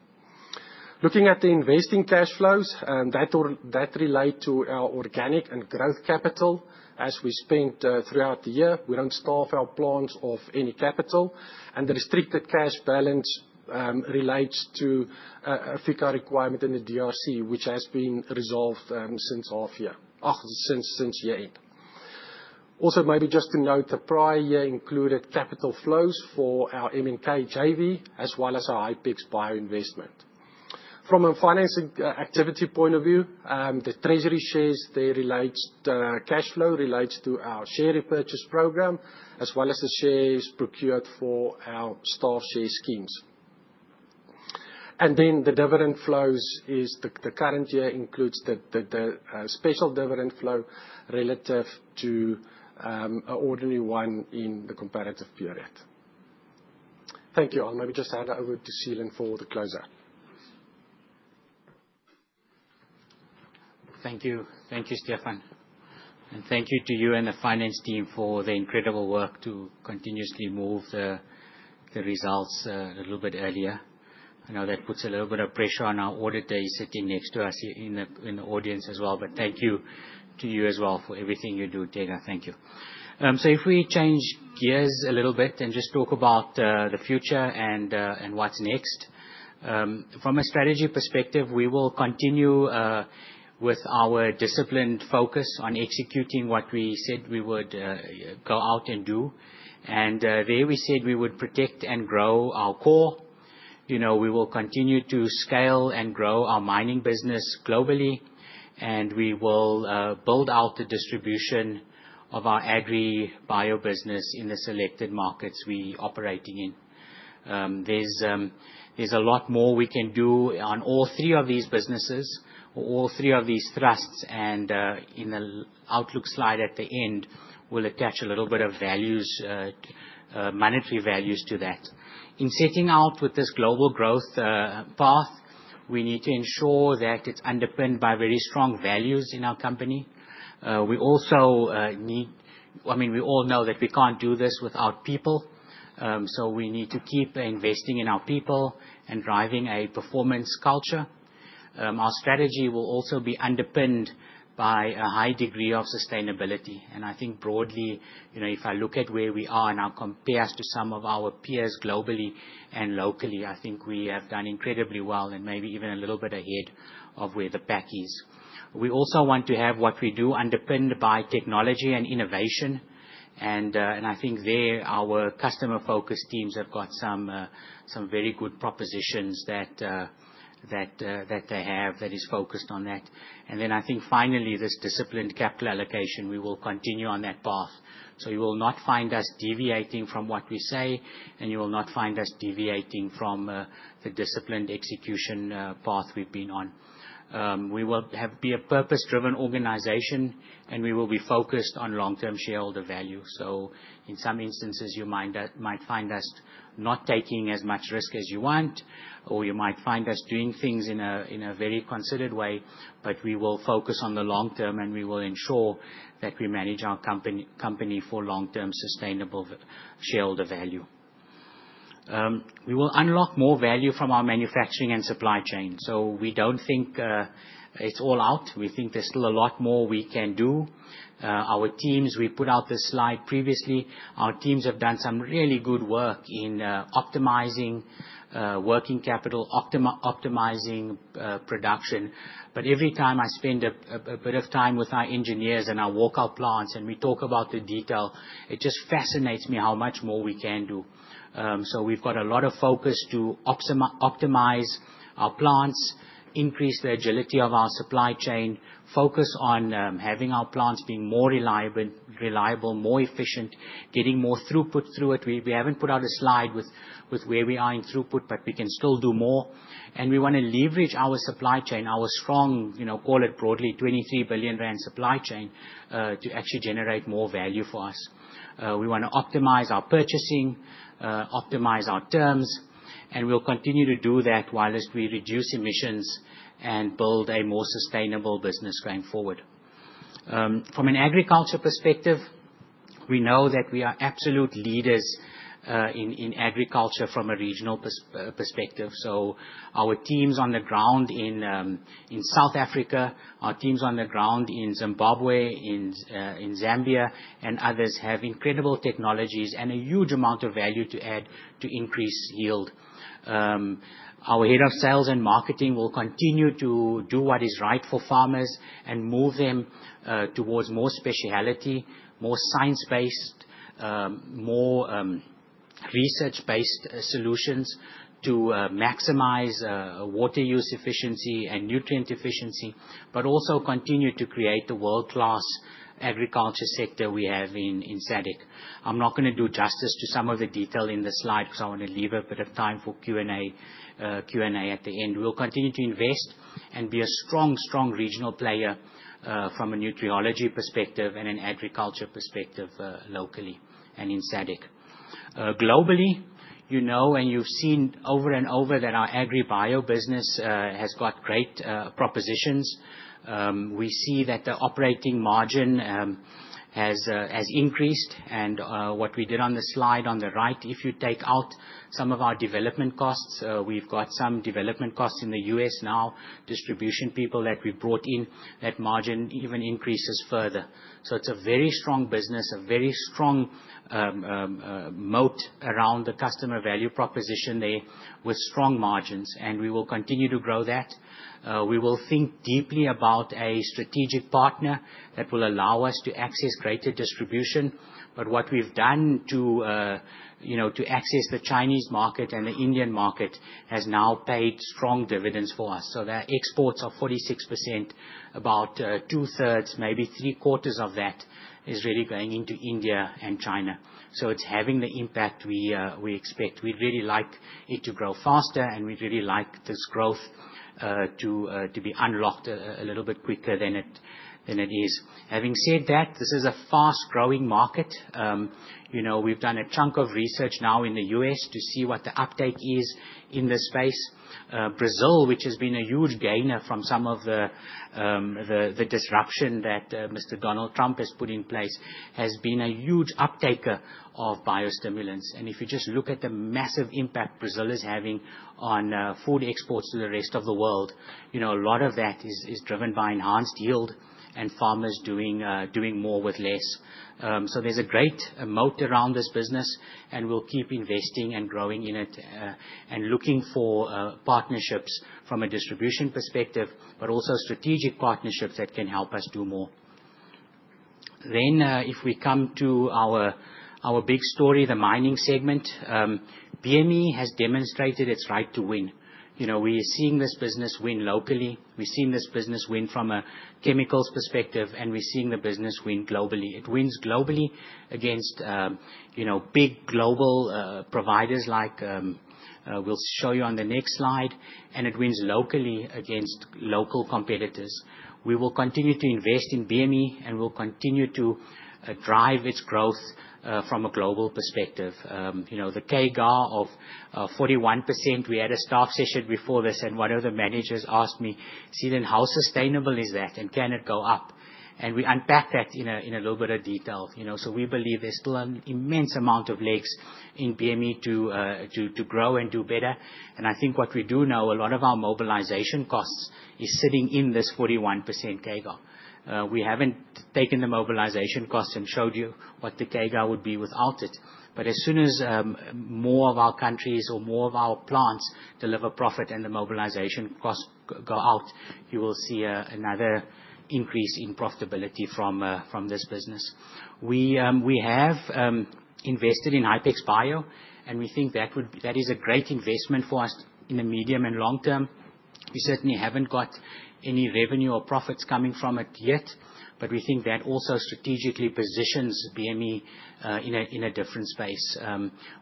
Looking at the investing cash flows, that relates to our organic and growth capital. As we spent throughout the year, we don't starve our plants of any capital. The restricted cash balance relates to FICA requirement in the DRC, which has been resolved since year end. Also, maybe just to note, the prior year included capital flows for our MNK JV, as well as our Hypex Bio investment. From a financing activity point of view, the treasury shares, their related cash flow relates to our share repurchase program, as well as the shares procured for our staff share schemes. The dividend flows is the current year includes the special dividend flow relative to an ordinary one in the comparative period. Thank you. I'll maybe just hand it over to Seelan for the closer. Thank you. Thank you, Stephan. And thank you to you and the finance team for the incredible work to continuously move the results a little bit earlier. I know that puts a little bit of pressure on our auditors sitting next to us in the audience as well. But thank you to you as well for everything you do, [Tega]. Thank you. If we change gears a little bit and just talk about the future and what's next, from a strategy perspective, we will continue with our disciplined focus on executing what we said we would go out and do. There we said we would protect and grow our core. We will continue to scale and grow our mining business globally. We will build out the distribution of our agri-bio business in the selected markets we are operating in. is a lot more we can do on all three of these businesses, all three of these thrusts. In the outlook slide at the end, we will attach a little bit of values, monetary values to that. In setting out with this global growth path, we need to ensure that it is underpinned by very strong values in our company. We also need—I mean, we all know that we cannot do this without people. We need to keep investing in our people and driving a performance culture. Our strategy will also be underpinned by a high degree of sustainability. I think broadly, if I look at where we are and our compares to some of our peers globally and locally, I think we have done incredibly well and maybe even a little bit ahead of where the pack is. We also want to have what we do underpinned by technology and innovation. I think there our customer-focused teams have got some very good propositions that they have that is focused on that. I think finally, this disciplined capital allocation, we will continue on that path. You will not find us deviating from what we say, and you will not find us deviating from the disciplined execution path we've been on. We will be a purpose-driven organization, and we will be focused on long-term shareholder value. In some instances, you might find us not taking as much risk as you want, or you might find us doing things in a very considered way. We will focus on the long term, and we will ensure that we manage our company for long-term sustainable shareholder value. We will unlock more value from our manufacturing and supply chain. We do not think it is all out. We think there is still a lot more we can do. Our teams, we put out this slide previously. Our teams have done some really good work in optimizing working capital, optimizing production. Every time I spend a bit of time with our engineers and I walk our plants and we talk about the detail, it just fascinates me how much more we can do. We have a lot of focus to optimize our plants, increase the agility of our supply chain, focus on having our plants being more reliable, more efficient, getting more throughput through it. We have not put out a slide with where we are in throughput, but we can still do more. We want to leverage our supply chain, our strong, call it broadly, 23 billion rand supply chain to actually generate more value for us. We want to optimize our purchasing, optimize our terms, and we will continue to do that while we reduce emissions and build a more sustainable business going forward. From an agriculture perspective, we know that we are absolute leaders in agriculture from a regional perspective. Our teams on the ground in South Africa, our teams on the ground in Zimbabwe, in Zambia, and others have incredible technologies and a huge amount of value to add to increase yield. Our Head of Sales and Marketing will continue to do what is right for farmers and move them towards more specialty, more science-based, more research-based solutions to maximize water use efficiency and nutrient efficiency, but also continue to create the world-class agriculture sector we have in SADC. I'm not going to do justice to some of the detail in the slide because I want to leave a bit of time for Q&A at the end. We'll continue to invest and be a strong, strong regional player from a nutriology perspective and an agriculture perspective locally and in SADC. Globally, you know and you've seen over and over that our agri-bio business has got great propositions. We see that the operating margin has increased. What we did on the slide on the right, if you take out some of our development costs, we've got some development costs in the U.S. now, distribution people that we've brought in, that margin even increases further. It is a very strong business, a very strong moat around the customer value proposition there with strong margins. We will continue to grow that. We will think deeply about a strategic partner that will allow us to access greater distribution. What we've done to access the Chinese market and the Indian market has now paid strong dividends for us. Our exports are 46%, about 2/3, maybe 3/4 of that is really going into India and China. It is having the impact we expect. We'd really like it to grow faster, and we'd really like this growth to be unlocked a little bit quicker than it is. Having said that, this is a fast-growing market. We've done a chunk of research now in the U.S. to see what the uptake is in this space. Brazil, which has been a huge gainer from some of the disruption that Mr. Donald Trump has put in place, has been a huge uptaker of biostimulants. If you just look at the massive impact Brazil is having on food exports to the rest of the world, a lot of that is driven by enhanced yield and farmers doing more with less. There is a great moat around this business, and we will keep investing and growing in it and looking for partnerships from a distribution perspective, but also strategic partnerships that can help us do more. If we come to our big story, the mining segment, BME has demonstrated its right to win. We are seeing this business win locally. We have seen this business win from a chemicals perspective, and we are seeing the business win globally. It wins globally against big global providers like we will show you on the next slide, and it wins locally against local competitors. We will continue to invest in BME, and we'll continue to drive its growth from a global perspective. The CAGR of 41%, we had a staff session before this, and one of the managers asked me, "Seelan, how sustainable is that, and can it go up?" and we unpacked that in a little bit of detail. We believe there's still an immense amount of legs in BME to grow and do better. I think what we do know, a lot of our mobilization costs is sitting in this 41% CAGR. We haven't taken the mobilization costs and showed you what the CAGR would be without it. As soon as more of our countries or more of our plants deliver profit and the mobilization costs go out, you will see another increase in profitability from this business. We have invested in Hypex Bio, and we think that is a great investment for us in the medium and long term. We certainly have not got any revenue or profits coming from it yet, but we think that also strategically positions BME in a different space.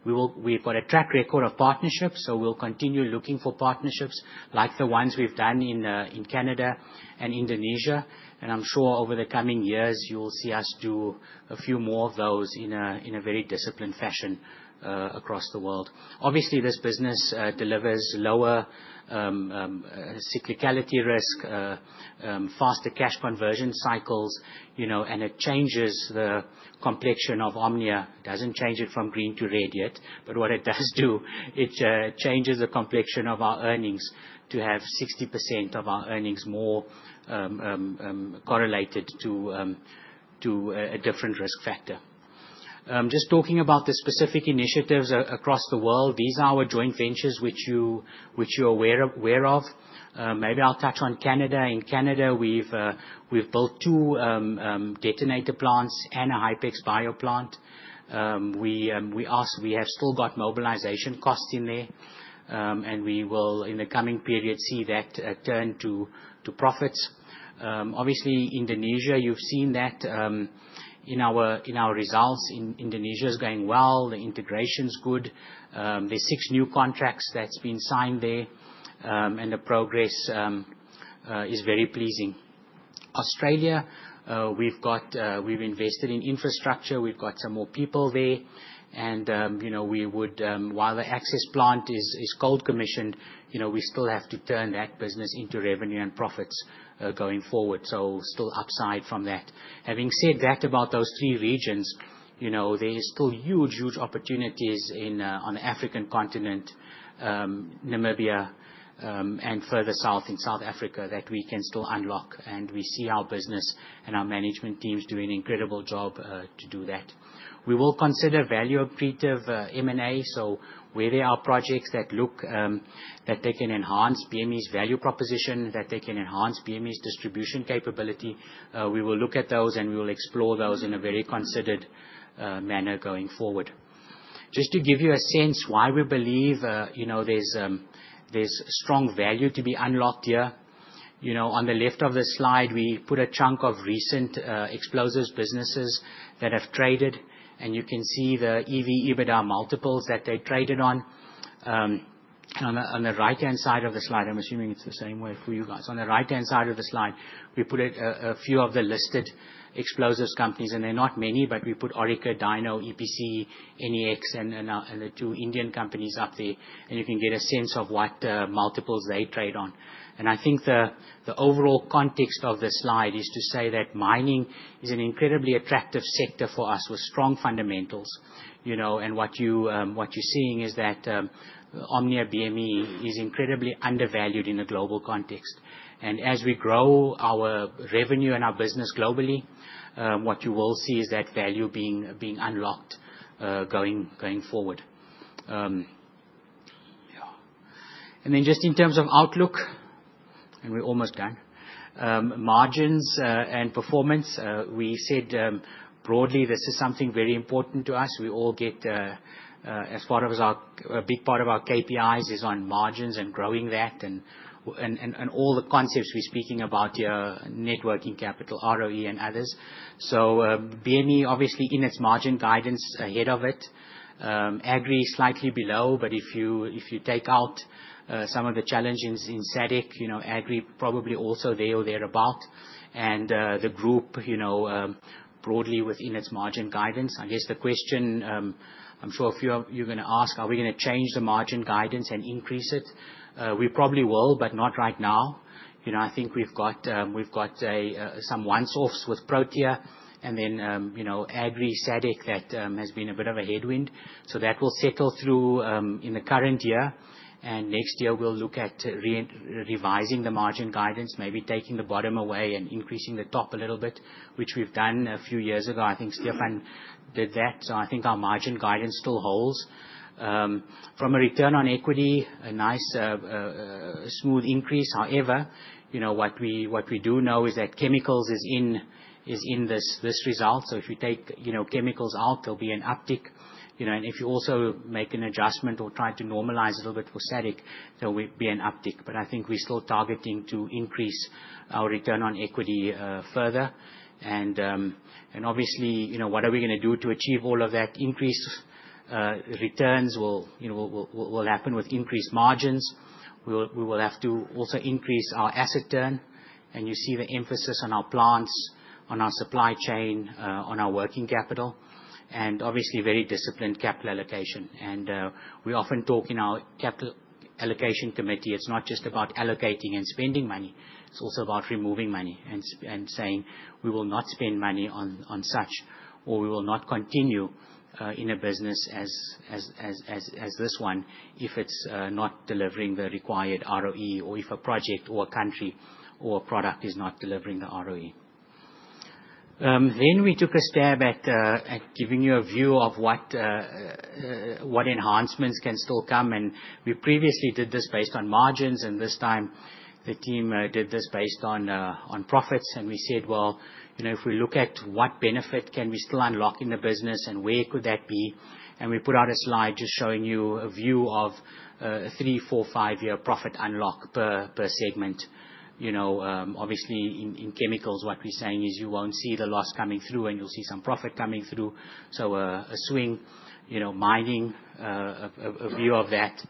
We have got a track record of partnerships, so we will continue looking for partnerships like the ones we have done in Canada and Indonesia. I am sure over the coming years, you will see us do a few more of those in a very disciplined fashion across the world. Obviously, this business delivers lower cyclicality risk, faster cash conversion cycles, and it changes the complexion of Omnia. It does not change it from green to red yet, but what it does do, it changes the complexion of our earnings to have 60% of our earnings more correlated to a different risk factor. Just talking about the specific initiatives across the world, these are our joint ventures which you're aware of. Maybe I'll touch on Canada. In Canada, we've built two detonator plants and a Hypex Bio plant. We have still got mobilization costs in there, and we will, in the coming period, see that turn to profits. Obviously, Indonesia, you've seen that in our results. Indonesia is going well. The integration is good. There are six new contracts that have been signed there, and the progress is very pleasing. Australia, we've invested in infrastructure. We've got some more people there. While the AXXIS plant is cold commissioned, we still have to turn that business into revenue and profits going forward. Still upside from that. Having said that about those three regions, there are still huge, huge opportunities on the African continent, Namibia, and further south in South Africa that we can still unlock. We see our business and our management teams doing an incredible job to do that. We will consider value-appreciative M&A. Where there are projects that look like they can enhance BME's value proposition, that they can enhance BME's distribution capability, we will look at those and we will explore those in a very considered manner going forward. Just to give you a sense why we believe there is strong value to be unlocked here, on the left of the slide, we put a chunk of recent explosives businesses that have traded. You can see the EV/EBITDA multiples that they traded on. On the right-hand side of the slide, I am assuming it is the same way for you guys. On the right-hand side of the slide, we put a few of the listed explosives companies. They are not many, but we put Orica, Dyno, EPC, Enaex, and the two Indian companies up there. You can get a sense of what multiples they trade on. I think the overall context of the slide is to say that mining is an incredibly attractive sector for us with strong fundamentals. What you are seeing is that Omnia BME is incredibly undervalued in the global context. As we grow our revenue and our business globally, what you will see is that value being unlocked going forward. Yeah. Then just in terms of outlook, and we are almost done, margins and performance. We said broadly this is something very important to us. We all get, as far as a big part of our KPIs, is on margins and growing that and all the concepts we're speaking about here, networking capital, ROE, and others. So BME, obviously, in its margin guidance ahead of it, Agri slightly below, but if you take out some of the challenges in SADC, Agri probably also there or thereabout. And the group broadly within its margin guidance. I guess the question, I'm sure you're going to ask, are we going to change the margin guidance and increase it? We probably will, but not right now. I think we've got some one-offs with Protea, and then Agri, SADC, that has been a bit of a headwind. So that will settle through in the current year. Next year, we'll look at revising the margin guidance, maybe taking the bottom away and increasing the top a little bit, which we've done a few years ago. I think Stephan did that. I think our margin guidance still holds. From a return on equity, a nice smooth increase. However, what we do know is that chemicals is in this result. If you take chemicals out, there'll be an uptick. If you also make an adjustment or try to normalize a little bit for SADC, there will be an uptick. I think we're still targeting to increase our return on equity further. Obviously, what are we going to do to achieve all of that? Increased returns will happen with increased margins. We will have to also increase our asset turn. You see the emphasis on our plants, on our supply chain, on our working capital, and obviously, very disciplined capital allocation. We often talk in our capital allocation committee, it's not just about allocating and spending money. It's also about removing money and saying, "We will not spend money on such," or, "We will not continue in a business as this one if it's not delivering the required ROE," or if a project or a country or a product is not delivering the ROE. We took a stab at giving you a view of what enhancements can still come. We previously did this based on margins, and this time, the team did this based on profits. We said, "If we look at what benefit can we still unlock in the business, and where could that be?" We put out a slide just showing you a view of a three-, four-, five-year profit unlock per segment. Obviously, in chemicals, what we're saying is you will not see the loss coming through, and you will see some profit coming through. So a swing, mining, a view of that,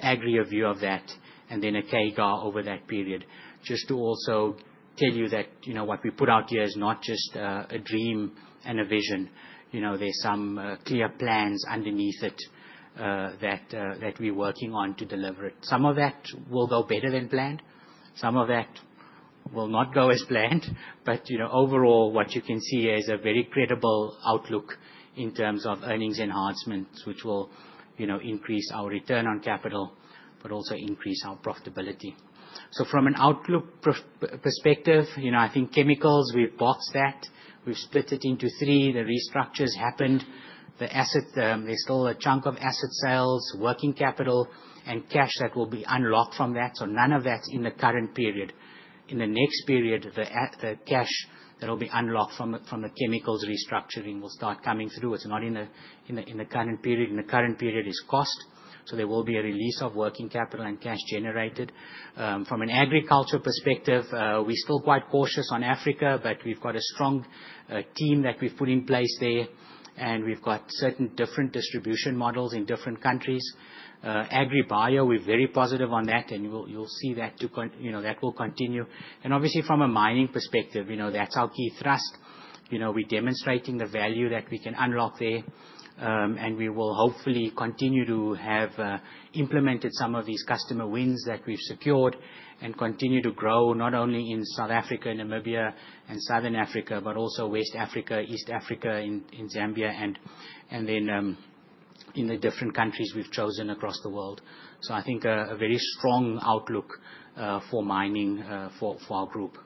Agri, a view of that, and then a CAGR over that period. Just to also tell you that what we put out here is not just a dream and a vision. There are some clear plans underneath it that we are working on to deliver it. Some of that will go better than planned. Some of that will not go as planned. Overall, what you can see is a very credible outlook in terms of earnings enhancements, which will increase our return on capital, but also increase our profitability. From an outlook perspective, I think chemicals, we've boxed that. We've split it into three. The restructures happened. There's still a chunk of asset sales, working capital, and cash that will be unlocked from that. None of that's in the current period. In the next period, the cash that will be unlocked from the chemicals restructuring will start coming through. It's not in the current period. In the current period is cost. There will be a release of working capital and cash generated. From an agriculture perspective, we're still quite cautious on Africa, but we've got a strong team that we've put in place there, and we've got certain different distribution models in different countries. AgriBio, we're very positive on that, and you'll see that will continue. Obviously, from a mining perspective, that's our key thrust. We're demonstrating the value that we can unlock there, and we will hopefully continue to have implemented some of these customer wins that we've secured and continue to grow not only in South Africa, Namibia, and Southern Africa, but also West Africa, East Africa, in Zambia, and then in the different countries we've chosen across the world. I think a very strong outlook for mining for our group.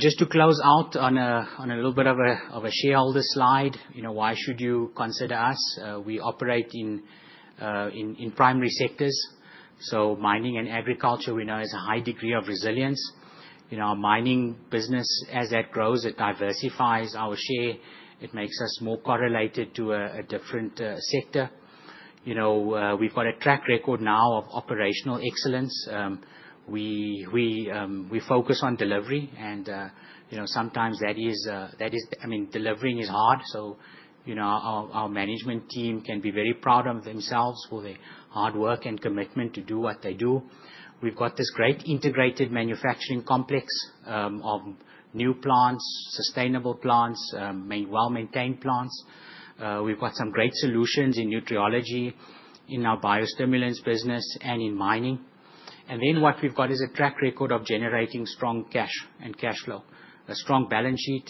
Just to close out on a little bit of a shareholder slide, why should you consider us? We operate in primary sectors. Mining and agriculture, we know, has a high degree of resilience. Our mining business, as that grows, it diversifies our share. It makes us more correlated to a different sector. We've got a track record now of operational excellence. We focus on delivery, and sometimes that is, I mean, delivering is hard. Our management team can be very proud of themselves for their hard work and commitment to do what they do. We've got this great integrated manufacturing complex of new plants, sustainable plants, well-maintained plants. We've got some great solutions in nutriology in our biostimulants business and in mining. What we've got is a track record of generating strong cash and cash flow, a strong balance sheet,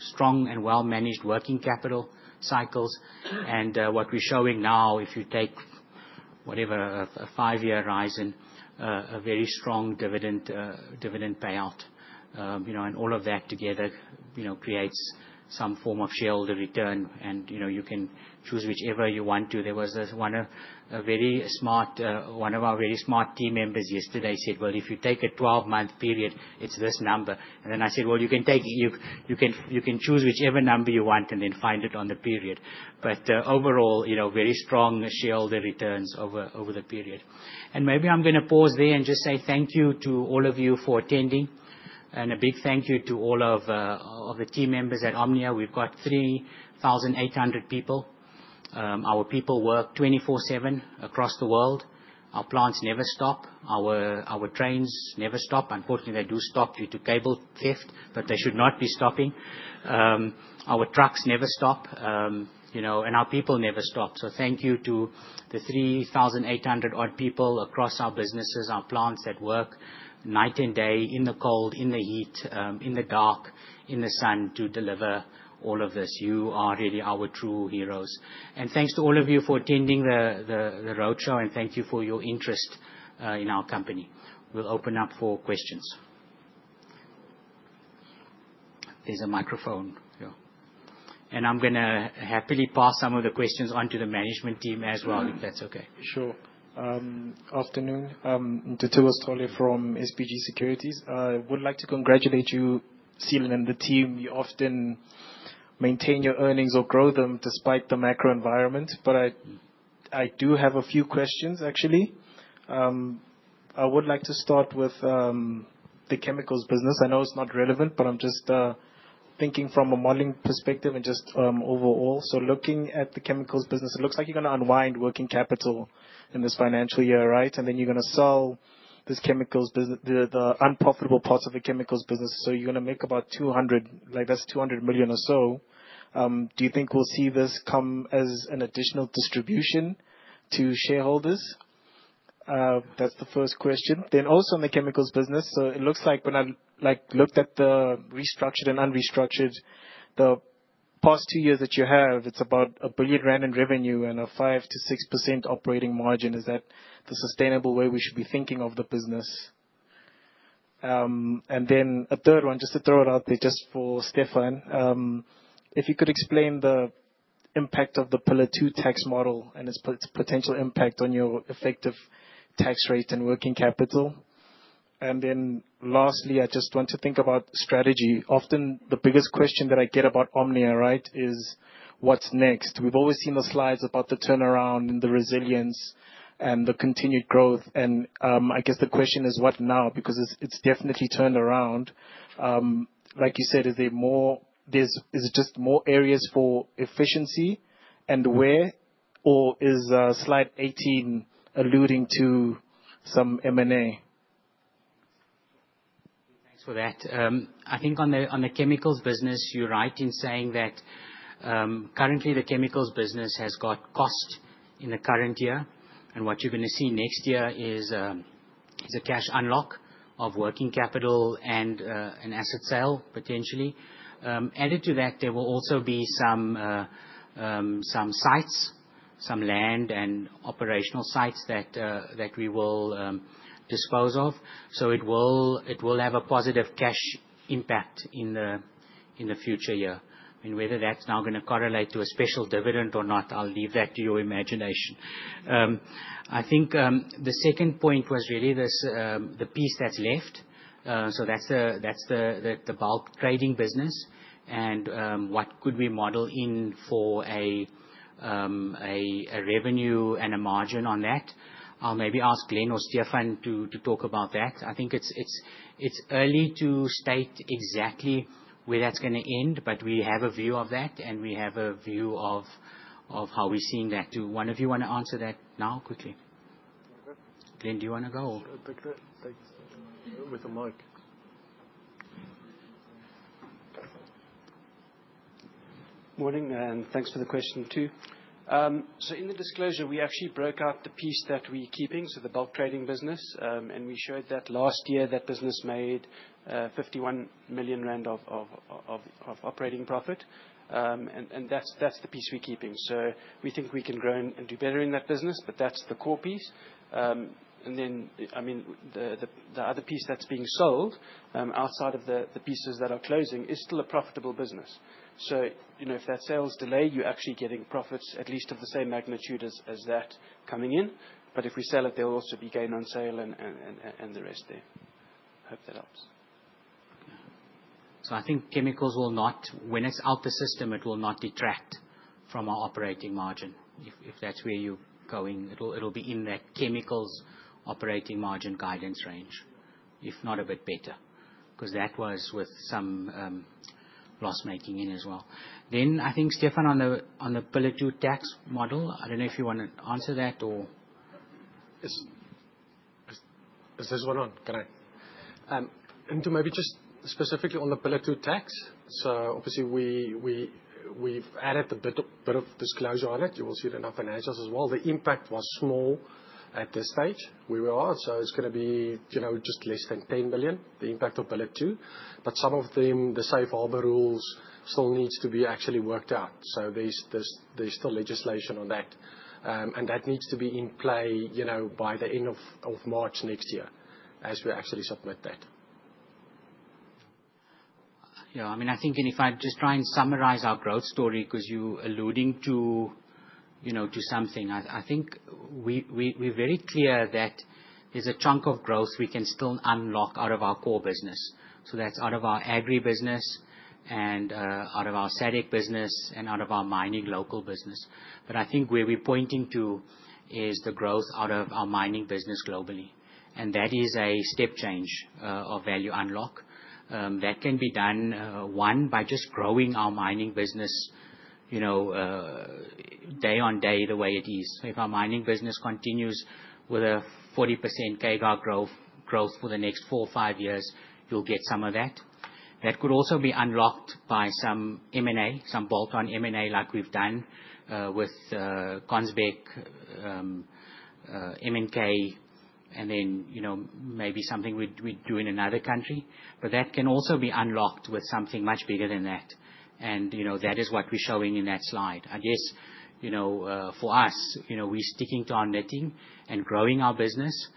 strong and well-managed working capital cycles. What we're showing now, if you take whatever a five-year horizon, a very strong dividend payout. All of that together creates some form of shareholder return, and you can choose whichever you want to. One of our very smart team members yesterday said, "If you take a 12-month period, it's this number." I said, "You can choose whichever number you want and then find it on the period." Overall, very strong shareholder returns over the period. Maybe I'm going to pause there and just say thank you to all of you for attending, and a big thank you to all of the team members at Omnia. We've got 3,800 people. Our people work 24/7 across the world. Our plants never stop. Our trains never stop. Unfortunately, they do stop due to cable theft, but they should not be stopping. Our trucks never stop, and our people never stop. Thank you to the 3,800-odd people across our businesses, our plants that work night and day, in the cold, in the heat, in the dark, in the sun to deliver all of this. You are really our true heroes. Thank you to all of you for attending the roadshow, and thank you for your interest in our company. We will open up for questions. There is a microphone. I am going to happily pass some of the questions on to the management team as well, if that is okay. Sure. Afternoon. [Detouras Tolle] from SPG Securities. I would like to congratulate you, Seelan, and the team. You often maintain your earnings or grow them despite the macro environment. I do have a few questions, actually. I would like to start with the chemicals business. I know it is not relevant, but I am just thinking from a modelling perspective and just overall. Looking at the chemicals business, it looks like you're going to unwind working capital in this financial year, right? You're going to sell the unprofitable parts of the chemicals business. You're going to make about 200 million or so. Do you think we'll see this come as an additional distribution to shareholders? That's the first question. Also in the chemicals business, it looks like when I looked at the restructured and unrestructured, the past two years that you have, it's about 1 billion rand in revenue and a 5%-6% operating margin. Is that the sustainable way we should be thinking of the business? Then a third one, just to throw it out there just for Stephan, if you could explain the impact of the Pillar Two tax model and its potential impact on your effective tax rate and working capital. Lastly, I just want to think about strategy. Often the biggest question that I get about Omnia, right, is what's next? We've always seen the slides about the turnaround and the resilience and the continued growth. I guess the question is what now? Because it's definitely turned around. Like you said, is there just more areas for efficiency and where? Or is Slide 18 alluding to some M&A? Thanks for that. I think on the chemicals business, you're right in saying that currently the chemicals business has got cost in the current year. What you are going to see next year is a cash unlock of working capital and an asset sale, potentially. Added to that, there will also be some sites, some land and operational sites that we will dispose of. It will have a positive cash impact in the future year. Whether that is now going to correlate to a special dividend or not, I will leave that to your imagination. I think the second point was really the piece that is left. That is the bulk trading business. What could we model in for a revenue and a margin on that? I will maybe ask Glen or Stephan to talk about that. I think it is early to state exactly where that is going to end, but we have a view of that, and we have a view of how we are seeing that. Do one of you want to answer that now quickly? Glen, do you want to go? Take that. With the mic. Morning, and thanks for the question too. In the disclosure, we actually broke out the piece that we're keeping, so the bulk trading business. We showed that last year, that business made 51 million rand of operating profit. That is the piece we're keeping. We think we can grow and do better in that business, but that is the core piece. I mean, the other piece that is being sold outside of the pieces that are closing is still a profitable business. If that sale is delayed, you are actually getting profits at least of the same magnitude as that coming in. If we sell it, there will also be gain on sale and the rest there. Hope that helps. I think chemicals will not, when it's out the system, it will not detract from our operating margin. If that's where you're going, it'll be in that chemicals operating margin guidance range, if not a bit better, because that was with some loss-making in as well. I think, Stephan, on the Pillar Two tax model, I don't know if you want to answer that or? Is this one on? Can I? To maybe just specifically on the Pillar Two tax. Obviously, we've added a bit of disclosure on it. You will see it in our financials as well. The impact was small at this stage where we are. It's going to be just less than 10 million, the impact of Pillar Two. Some of them, the safe harbor rules still need to be actually worked out. There's still legislation on that. That needs to be in play by the end of March next year as we actually submit that. Yeah. I mean, I think if I just try and summarize our growth story because you're alluding to something, I think we're very clear that there's a chunk of growth we can still unlock out of our core business. That is out of our agri business and out of our SADC business and out of our mining local business. I think where we're pointing to is the growth out of our mining business globally. That is a step change of value unlock. That can be done, one, by just growing our mining business day on day the way it is. If our mining business continues with a 40% CAGR growth for the next four or five years, you'll get some of that. That could also be unlocked by some M&A, some bolt-on M&A like we've done with [Conzbeck], MNK, and then maybe something we'd do in another country. That can also be unlocked with something much bigger than that. That is what we're showing in that slide. I guess for us, we're sticking to our netting and growing our business,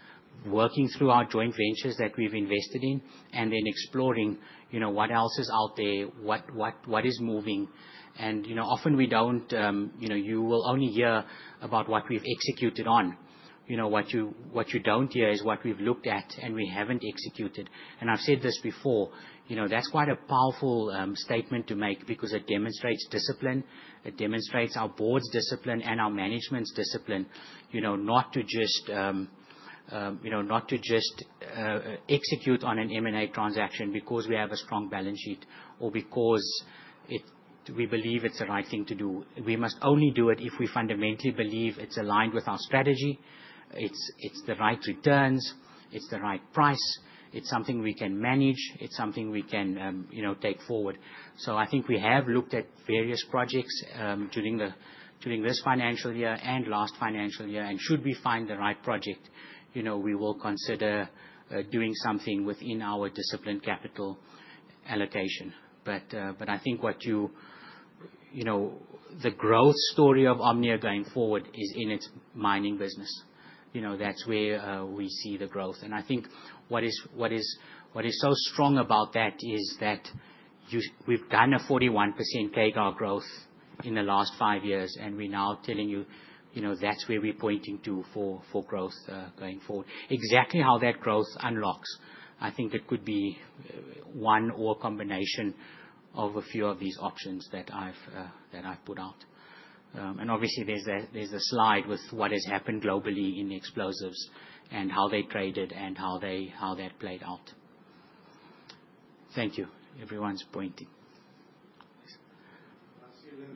working through our joint ventures that we've invested in, and then exploring what else is out there, what is moving. Often you will only hear about what we've executed on. What you don't hear is what we've looked at and we haven't executed. I've said this before. That's quite a powerful statement to make because it demonstrates discipline. It demonstrates our board's discipline and our management's discipline not to just execute on an M&A transaction because we have a strong balance sheet or because we believe it's the right thing to do. We must only do it if we fundamentally believe it's aligned with our strategy, it's the right returns, it's the right price, it's something we can manage, it's something we can take forward. I think we have looked at various projects during this financial year and last financial year. Should we find the right project, we will consider doing something within our disciplined capital allocation. I think the growth story of Omnia going forward is in its mining business. That's where we see the growth. I think what is so strong about that is that we've done a 41% CAGR growth in the last five years, and we're now telling you that's where we're pointing to for growth going forward. Exactly how that growth unlocks, I think it could be one or a combination of a few of these options that I've put out. Obviously, there's the slide with what has happened globally in the explosives and how they traded and how that played out. Thank you. Everyone's pointing.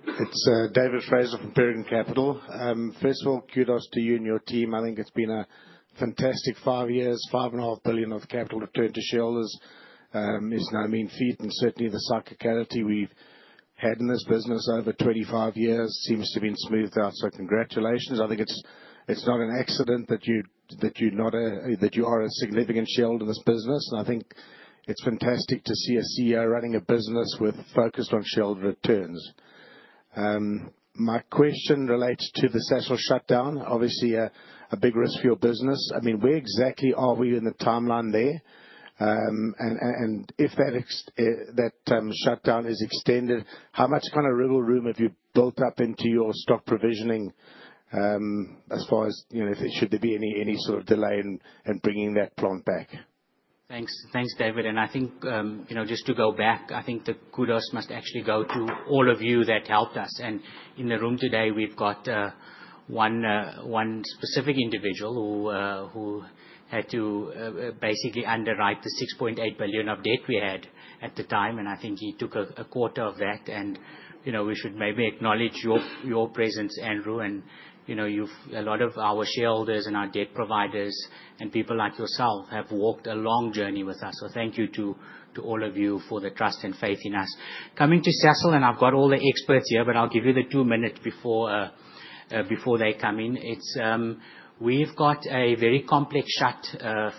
It's David Fraser from Peregrine Capital. First of all, kudos to you and your team. I think it's been a fantastic five years, five and a half billion of capital returned to shareholders. It's now mean feet, and certainly the cyclicality we've had in this business over 25 years seems to have been smoothed out. Congratulations. I think it's not an accident that you are a significant shareholder in this business. I think it's fantastic to see a CEO running a business focused on shareholder returns. My question relates to the Sasol shutdown, obviously a big risk for your business. I mean, where exactly are we in the timeline there? If that shutdown is extended, how much kind of wriggle room have you built up into your stock provisioning as far as should there be any sort of delay in bringing that plant back? Thanks, David. I think just to go back, I think the kudos must actually go to all of you that helped us. In the room today, we've got one specific individual who had to basically underwrite the 6.8 billion of debt we had at the time. I think he took a quarter of that. We should maybe acknowledge your presence, Andrew. A lot of our shareholders and our debt providers and people like yourself have walked a long journey with us. Thank you to all of you for the trust and faith in us. Coming to Sasol, and I have all the experts here, but I will give you the two minutes before they come in. We have a very complex shut,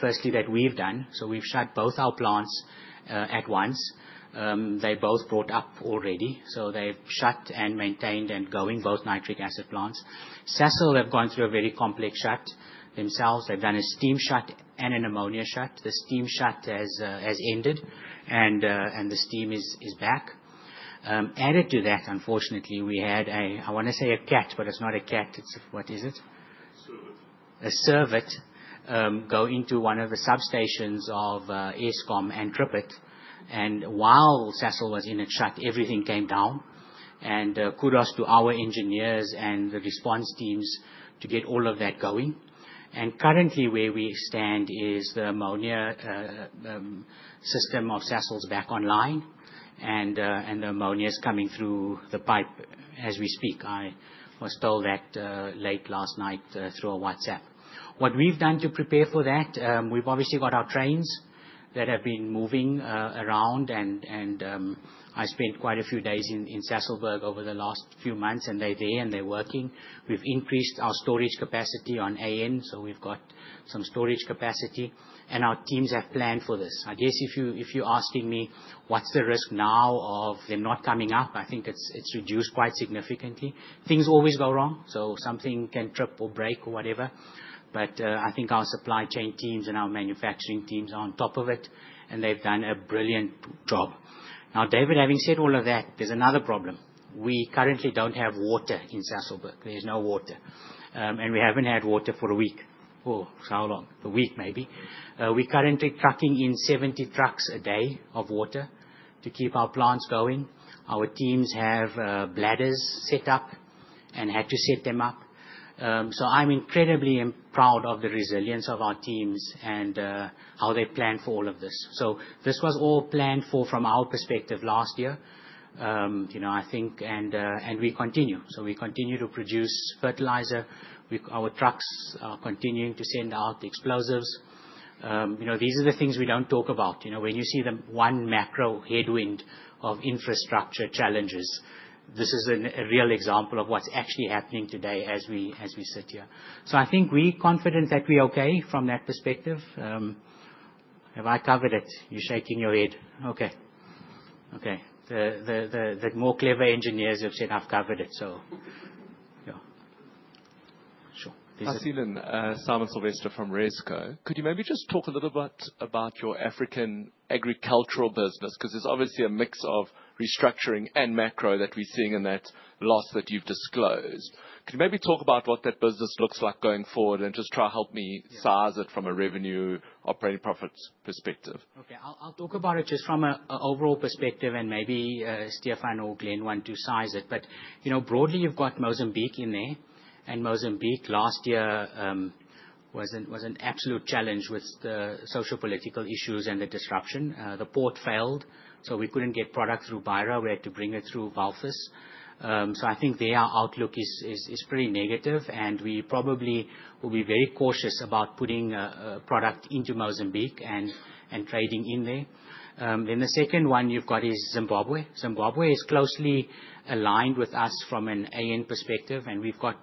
firstly, that we have done. We have shut both our plants at once. They are both brought up already. They have shut and maintained and are going, both nitric acid plants. Sasol have gone through a very complex shut themselves. They have done a steam shut and an ammonia shut. The steam shut has ended, and the steam is back. Added to that, unfortunately, we had a, I want to say a cat, but it is not a cat. It is a, what is it? A servet. Go into one of the substations of Eskom and trip it. While Sasol was in its shut, everything came down. Kudos to our engineers and the response teams to get all of that going. Currently, where we stand is the ammonia system of Sasol is back online, and the ammonia is coming through the pipe as we speak. I was told that late last night through a WhatsApp. What we have done to prepare for that, we have obviously got our trains that have been moving around. I spent quite a few days in Sasolburg over the last few months, and they are there and they are working. We have increased our storage capacity on AN, so we have got some storage capacity. Our teams have planned for this. I guess if you're asking me what's the risk now of them not coming up, I think it's reduced quite significantly. Things always go wrong, so something can trip or break or whatever. I think our supply chain teams and our manufacturing teams are on top of it, and they've done a brilliant job. Now, David, having said all of that, there's another problem. We currently don't have water in Sasolburg. There's no water. We haven't had water for a week. Oh, how long? A week, maybe. We're currently trucking in 70 trucks a day of water to keep our plants going. Our teams have bladders set up and had to set them up. I'm incredibly proud of the resilience of our teams and how they planned for all of this. This was all planned for, from our perspective, last year, I think, and we continue. We continue to produce fertilizer. Our trucks are continuing to send out explosives. These are the things we do not talk about. When you see the one macro headwind of infrastructure challenges, this is a real example of what is actually happening today as we sit here. I think we are confident that we are okay from that perspective. Have I covered it? You are shaking your head. Okay. The more clever engineers have said, "I have covered it." I see Simon Sylvester from Rezco. Could you maybe just talk a little bit about your African agricultural business? Because it is obviously a mix of restructuring and macro that we are seeing in that loss that you have disclosed. Could you maybe talk about what that business looks like going forward and just try to help me size it from a revenue, operating profits perspective? Okay. I'll talk about it just from an overall perspective, and maybe Stephan or Glen want to size it. Broadly, you've got Mozambique in there. Mozambique last year was an absolute challenge with the social-political issues and the disruption. The port failed, so we couldn't get product through Beira. We had to bring it through Walvis. I think their outlook is pretty negative, and we probably will be very cautious about putting product into Mozambique and trading in there. The second one you've got is Zimbabwe. Zimbabwe is closely aligned with us from an AN perspective, and we've got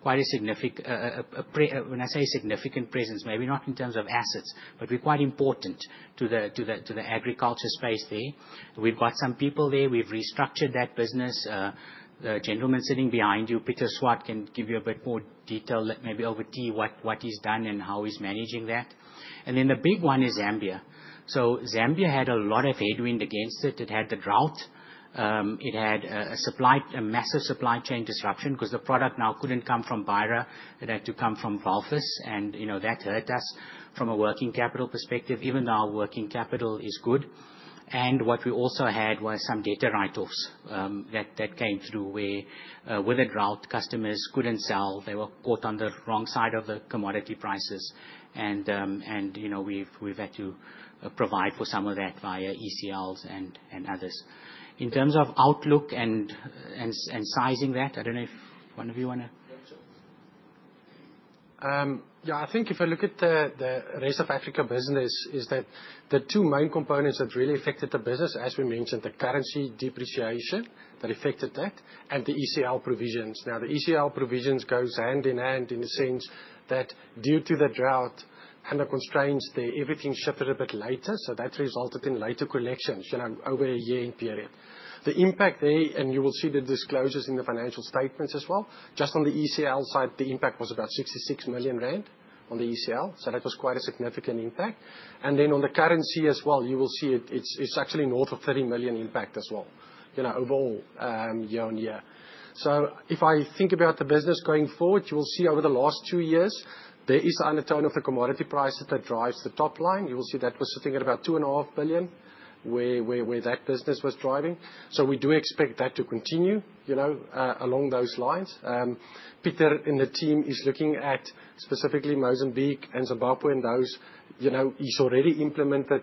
quite a significant—when I say significant presence, maybe not in terms of assets, but we're quite important to the agriculture space there. We've got some people there. We've restructured that business. The gentleman sitting behind you, Peter Swart, can give you a bit more detail, maybe over tea, what he's done and how he's managing that. The big one is Zambia. Zambia had a lot of headwind against it. It had the drought. It had a massive supply chain disruption because the product now could not come from Beira. It had to come from Walvis, and that hurt us from a working capital perspective, even though our working capital is good. What we also had was some data write-offs that came through where, with a drought, customers could not sell. They were caught on the wrong side of the commodity prices. We have had to provide for some of that via ECLs and others. In terms of outlook and sizing that, I do not know if one of you want to? Yeah. I think if I look at the rest of Africa business, the two main components that really affected the business, as we mentioned, are the currency depreciation that affected that, and the ECL provisions. Now, the ECL provisions go hand in hand in the sense that due to the drought and the constraints there, everything shifted a bit later. That resulted in later collections over a year-end period. The impact there, and you will see the disclosures in the financial statements as well. Just on the ECL side, the impact was about 66 million rand on the ECL. That was quite a significant impact. On the currency as well, you will see it is actually north of 30 million impact as well overall year on year. If I think about the business going forward, you will see over the last two years, there is an atone of the commodity price that drives the top line. You will see that we're sitting at about 2.5 billion where that business was driving. We do expect that to continue along those lines. Peter and the team are looking at specifically Mozambique and Zimbabwe, and he's already implemented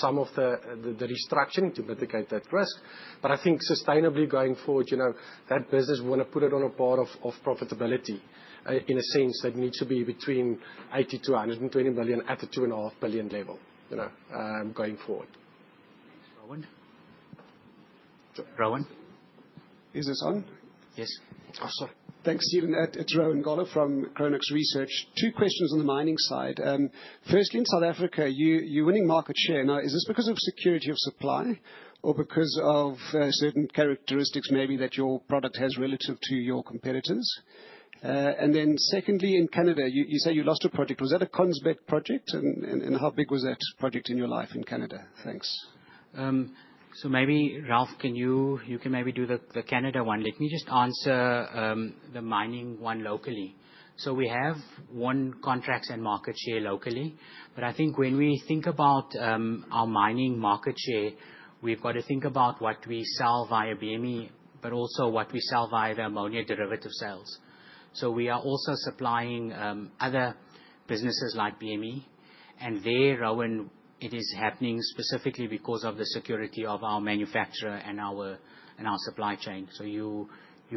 some of the restructuring to mitigate that risk. I think sustainably going forward, that business, we want to put it on a bar of profitability in a sense that needs to be between 80 million-120 million at the 2.5 billion level going forward. Rowan. Rowan. Is this on? Yes. Oh, sorry. Thanks, Steven. It's Rowan Goeller from Chronux Research. Two questions on the mining side. Firstly, in South Africa, you're winning market share. Now, is this because of security of supply or because of certain characteristics maybe that your product has relative to your competitors? Secondly, in Canada, you say you lost a project. Was that a [Conzbeck] project? How big was that project in your life in Canada? Thanks. Maybe, Ralf, you can maybe do the Canada one. Let me just answer the mining one locally. We have one contract and market share locally. I think when we think about our mining market share, we've got to think about what we sell via BME, but also what we sell via the ammonia derivative sales. We are also supplying other businesses like BME. There, Rowan, it is happening specifically because of the security of our manufacturer and our supply chain. You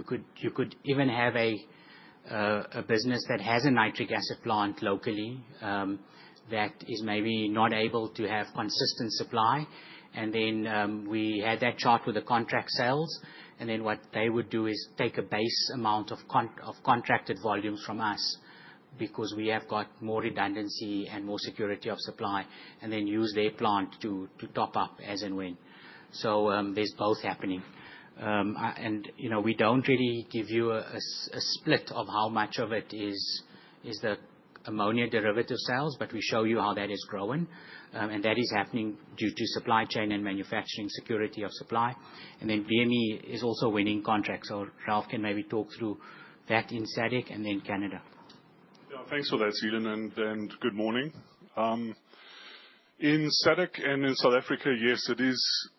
could even have a business that has a nitric acid plant locally that is maybe not able to have consistent supply. We had that chart with the contract sales. What they would do is take a base amount of contracted volumes from us because we have got more redundancy and more security of supply, and then use their plant to top up as and when. There is both happening. We do not really give you a split of how much of it is the ammonia derivative sales, but we show you how that is growing. That is happening due to supply chain and manufacturing security of supply. BME is also winning contracts. Ralf can maybe talk through that in SADC and then Canada. Thanks for that, Seelan. Good morning. In SADC and in South Africa, yes,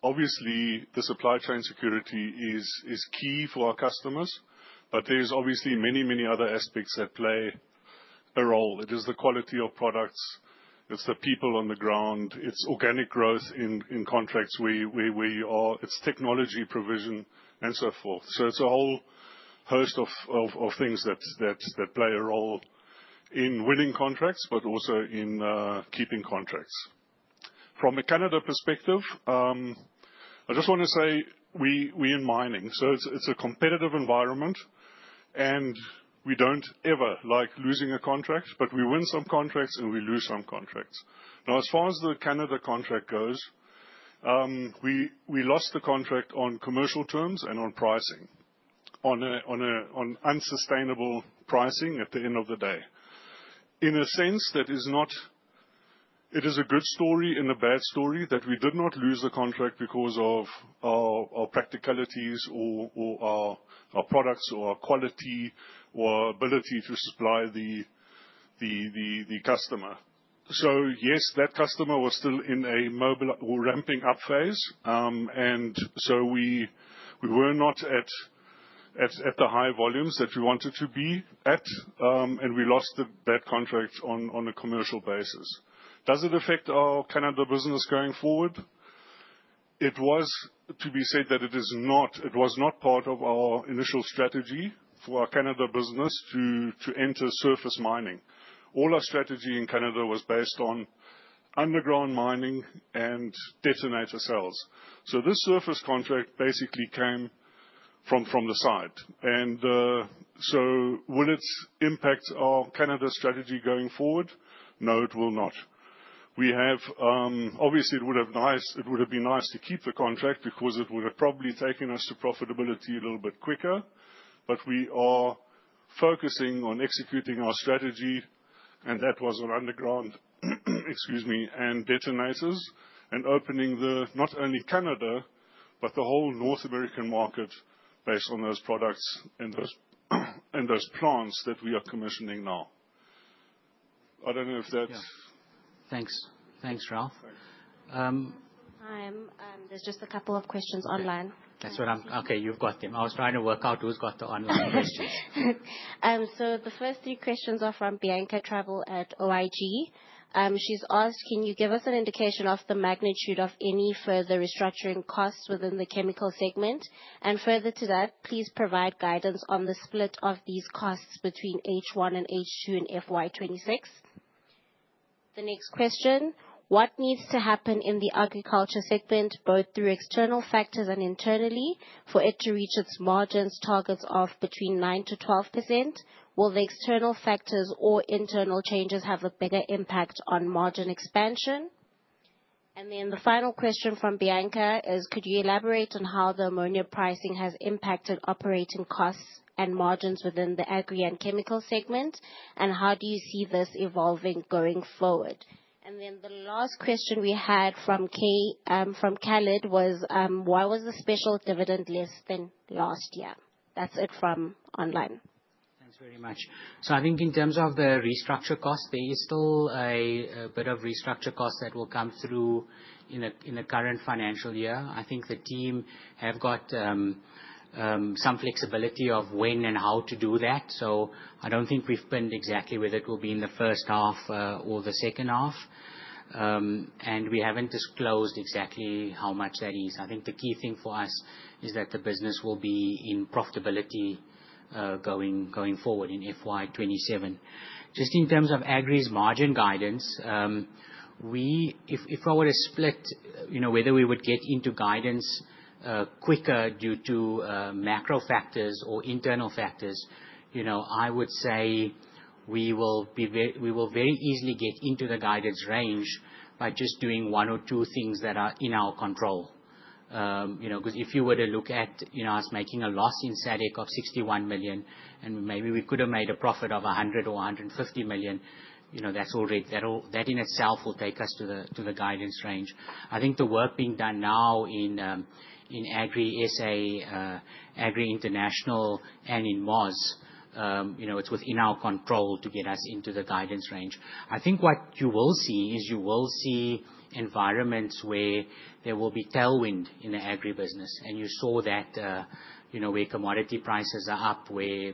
obviously the supply chain security is key for our customers, but there are obviously many, many other aspects that play a role. It is the quality of products. It is the people on the ground. It is organic growth in contracts where we are. It is technology provision and so forth. It is a whole host of things that play a role in winning contracts, but also in keeping contracts. From a Canada perspective, I just want to say we are in mining, so it is a competitive environment, and we do not ever like losing a contract, but we win some contracts and we lose some contracts. Now, as far as the Canada contract goes, we lost the contract on commercial terms and on pricing, on unsustainable pricing at the end of the day. In a sense, it is a good story and a bad story that we did not lose the contract because of our practicalities or our products or our quality or ability to supply the customer. Yes, that customer was still in a ramping up phase. We were not at the high volumes that we wanted to be at, and we lost that contract on a commercial basis. Does it affect our Canada business going forward? It was to be said that it was not part of our initial strategy for our Canada business to enter surface mining. All our strategy in Canada was based on underground mining and detonator sales. This surface contract basically came from the side. Will it impact our Canada strategy going forward? No, it will not. Obviously, it would have been nice to keep the contract because it would have probably taken us to profitability a little bit quicker. But we are focusing on executing our strategy, and that was on underground, excuse me, and detonators, and opening not only Canada, but the whole North American market based on those products and those plants that we are commissioning now. I do not know if that is— Thanks. Thanks, Ralf. There are just a couple of questions online. That is what I am—okay, you have got them. I was trying to work out who has got the online questions. The first three questions are from Bianca Travel at OIG. She's asked, "Can you give us an indication of the magnitude of any further restructuring costs within the chemical segment?" Further to that, "Please provide guidance on the split of these costs between H1 and H2 and FY 2026." The next question, "What needs to happen in the agriculture segment, both through external factors and internally, for it to reach its margin targets of between 9%-12%? Will the external factors or internal changes have a bigger impact on margin expansion?" The final question from Bianca is, "Could you elaborate on how the ammonia pricing has impacted operating costs and margins within the agri and chemical segment, and how do you see this evolving going forward?" The last question we had from Khalid was, "Why was the special dividend less than last year?" That's it from online. Thanks very much. I think in terms of the restructure cost, there is still a bit of restructure cost that will come through in the current financial year. I think the team have got some flexibility of when and how to do that. I do not think we have been exactly where it will be in the first half or the second half. We have not disclosed exactly how much that is. I think the key thing for us is that the business will be in profitability going forward in FY 2027. Just in terms of agri's margin guidance, if I were to split whether we would get into guidance quicker due to macro factors or internal factors, I would say we will very easily get into the guidance range by just doing one or two things that are in our control. Because if you were to look at us making a loss in SADC of 61 million, and maybe we could have made a profit of 100 million or 150 million, that's already—that in itself will take us to the guidance range. I think the work being done now in Agri SA, Agri International, and in MOS, it's within our control to get us into the guidance range. I think what you will see is you will see environments where there will be tailwind in the agri business. You saw that where commodity prices are up, where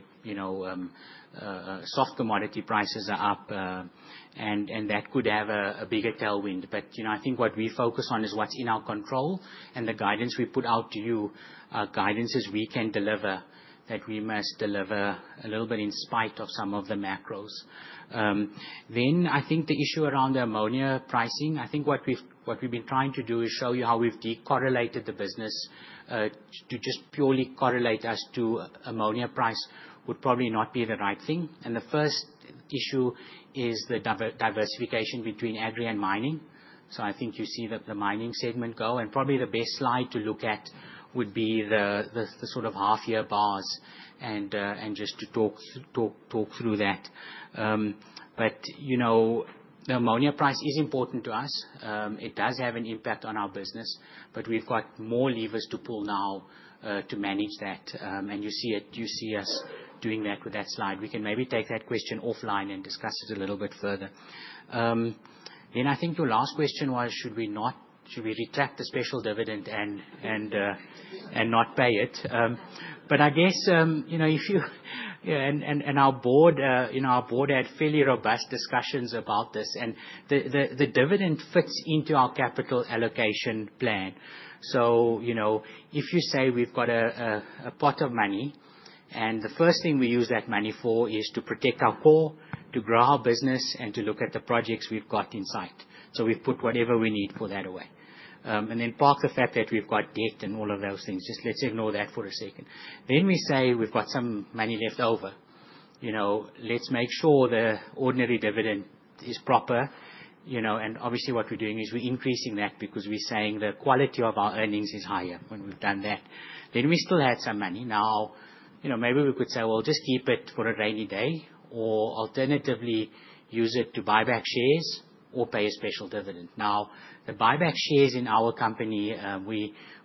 soft commodity prices are up, and that could have a bigger tailwind. I think what we focus on is what's in our control, and the guidance we put out to you, guidances we can deliver, that we must deliver a little bit in spite of some of the macros. I think the issue around the ammonia pricing, I think what we've been trying to do is show you how we've decorrelated the business. To just purely correlate us to ammonia price would probably not be the right thing. The first issue is the diversification between agri and mining. I think you see the mining segment go. Probably the best slide to look at would be the sort of half-year bars and just to talk through that. The ammonia price is important to us. It does have an impact on our business, but we've got more levers to pull now to manage that. You see us doing that with that slide. We can maybe take that question offline and discuss it a little bit further. I think your last question was, "Should we retract the special dividend and not pay it?" I guess if you—and our board had fairly robust discussions about this. The dividend fits into our capital allocation plan. If you say we've got a pot of money, the first thing we use that money for is to protect our core, to grow our business, and to look at the projects we've got in sight. We've put whatever we need for that away. Park the fact that we've got debt and all of those things. Just let's ignore that for a second. We say we've got some money left over. Let's make sure the ordinary dividend is proper. Obviously, what we're doing is we're increasing that because we're saying the quality of our earnings is higher when we've done that. We still had some money. Maybe we could say, "Just keep it for a rainy day," or alternatively, "Use it to buy back shares or pay a special dividend." The buyback shares in our company,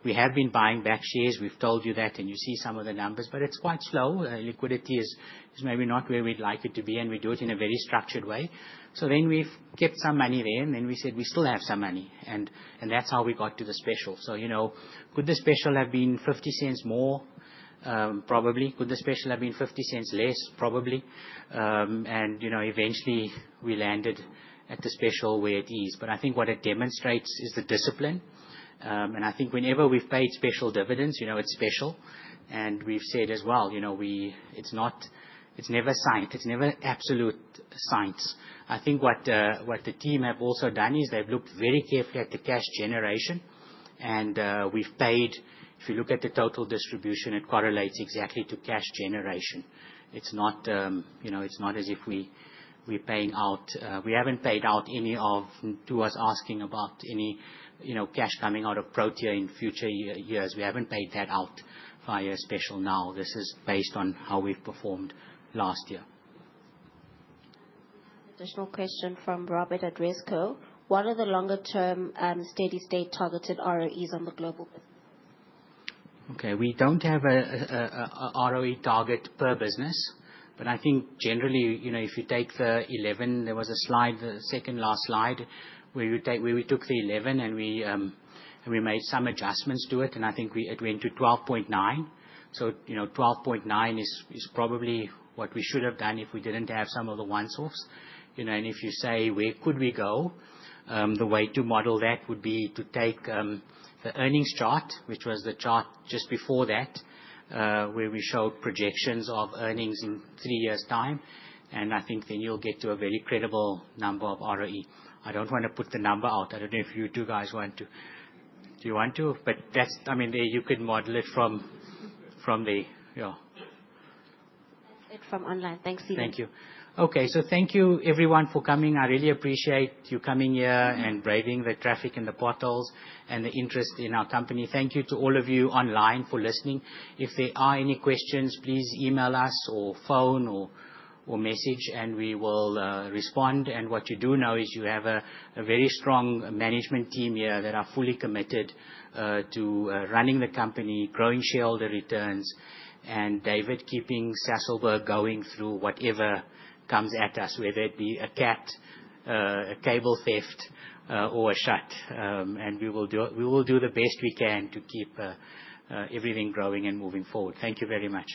we have been buying back shares. We have told you that, and you see some of the numbers, but it is quite slow. Liquidity is maybe not where we would like it to be, and we do it in a very structured way. We have kept some money there, and we said we still have some money. That is how we got to the special. Could the special have been 0.50 more? Probably. Could the special have been 0.50 less? Probably. Eventually, we landed at the special where it is. I think what it demonstrates is the discipline. I think whenever we've paid special dividends, it's special. We've said as well, "It's never absolute science." I think what the team have also done is they've looked very carefully at the cash generation. We've paid—if you look at the total distribution, it correlates exactly to cash generation. It's not as if we're paying out—we haven't paid out any of—to us asking about any cash coming out of Protea in future years. We haven't paid that out via special now. This is based on how we've performed last year. We have an additional question from Robert at Rezco. What are the longer-term steady-state targeted ROEs on the global business? Okay. We don't have an ROE target per business. I think generally, if you take the 11, there was a slide, the second last slide, where we took the 11 and we made some adjustments to it. I think it went to 12.9. 12.9 is probably what we should have done if we did not have some of the one-offs. If you say, "Where could we go?" the way to model that would be to take the earnings chart, which was the chart just before that, where we showed projections of earnings in three years' time. I think then you will get to a very credible number of ROE. I do not want to put the number out. I do not know if you two guys want to—do you want to? I mean, you could model it from the— That is it from online. Thanks, Seelan. Thank you. Okay. Thank you, everyone, for coming. I really appreciate you coming here and braving the traffic and the bottles and the interest in our company. Thank you to all of you online for listening. If there are any questions, please email us or phone or message, and we will respond. You do know you have a very strong management team here that are fully committed to running the company, growing shareholder returns, and David keeping Sasolburg going through whatever comes at us, whether it be a cat, a cable theft, or a shut. We will do the best we can to keep everything growing and moving forward. Thank you very much.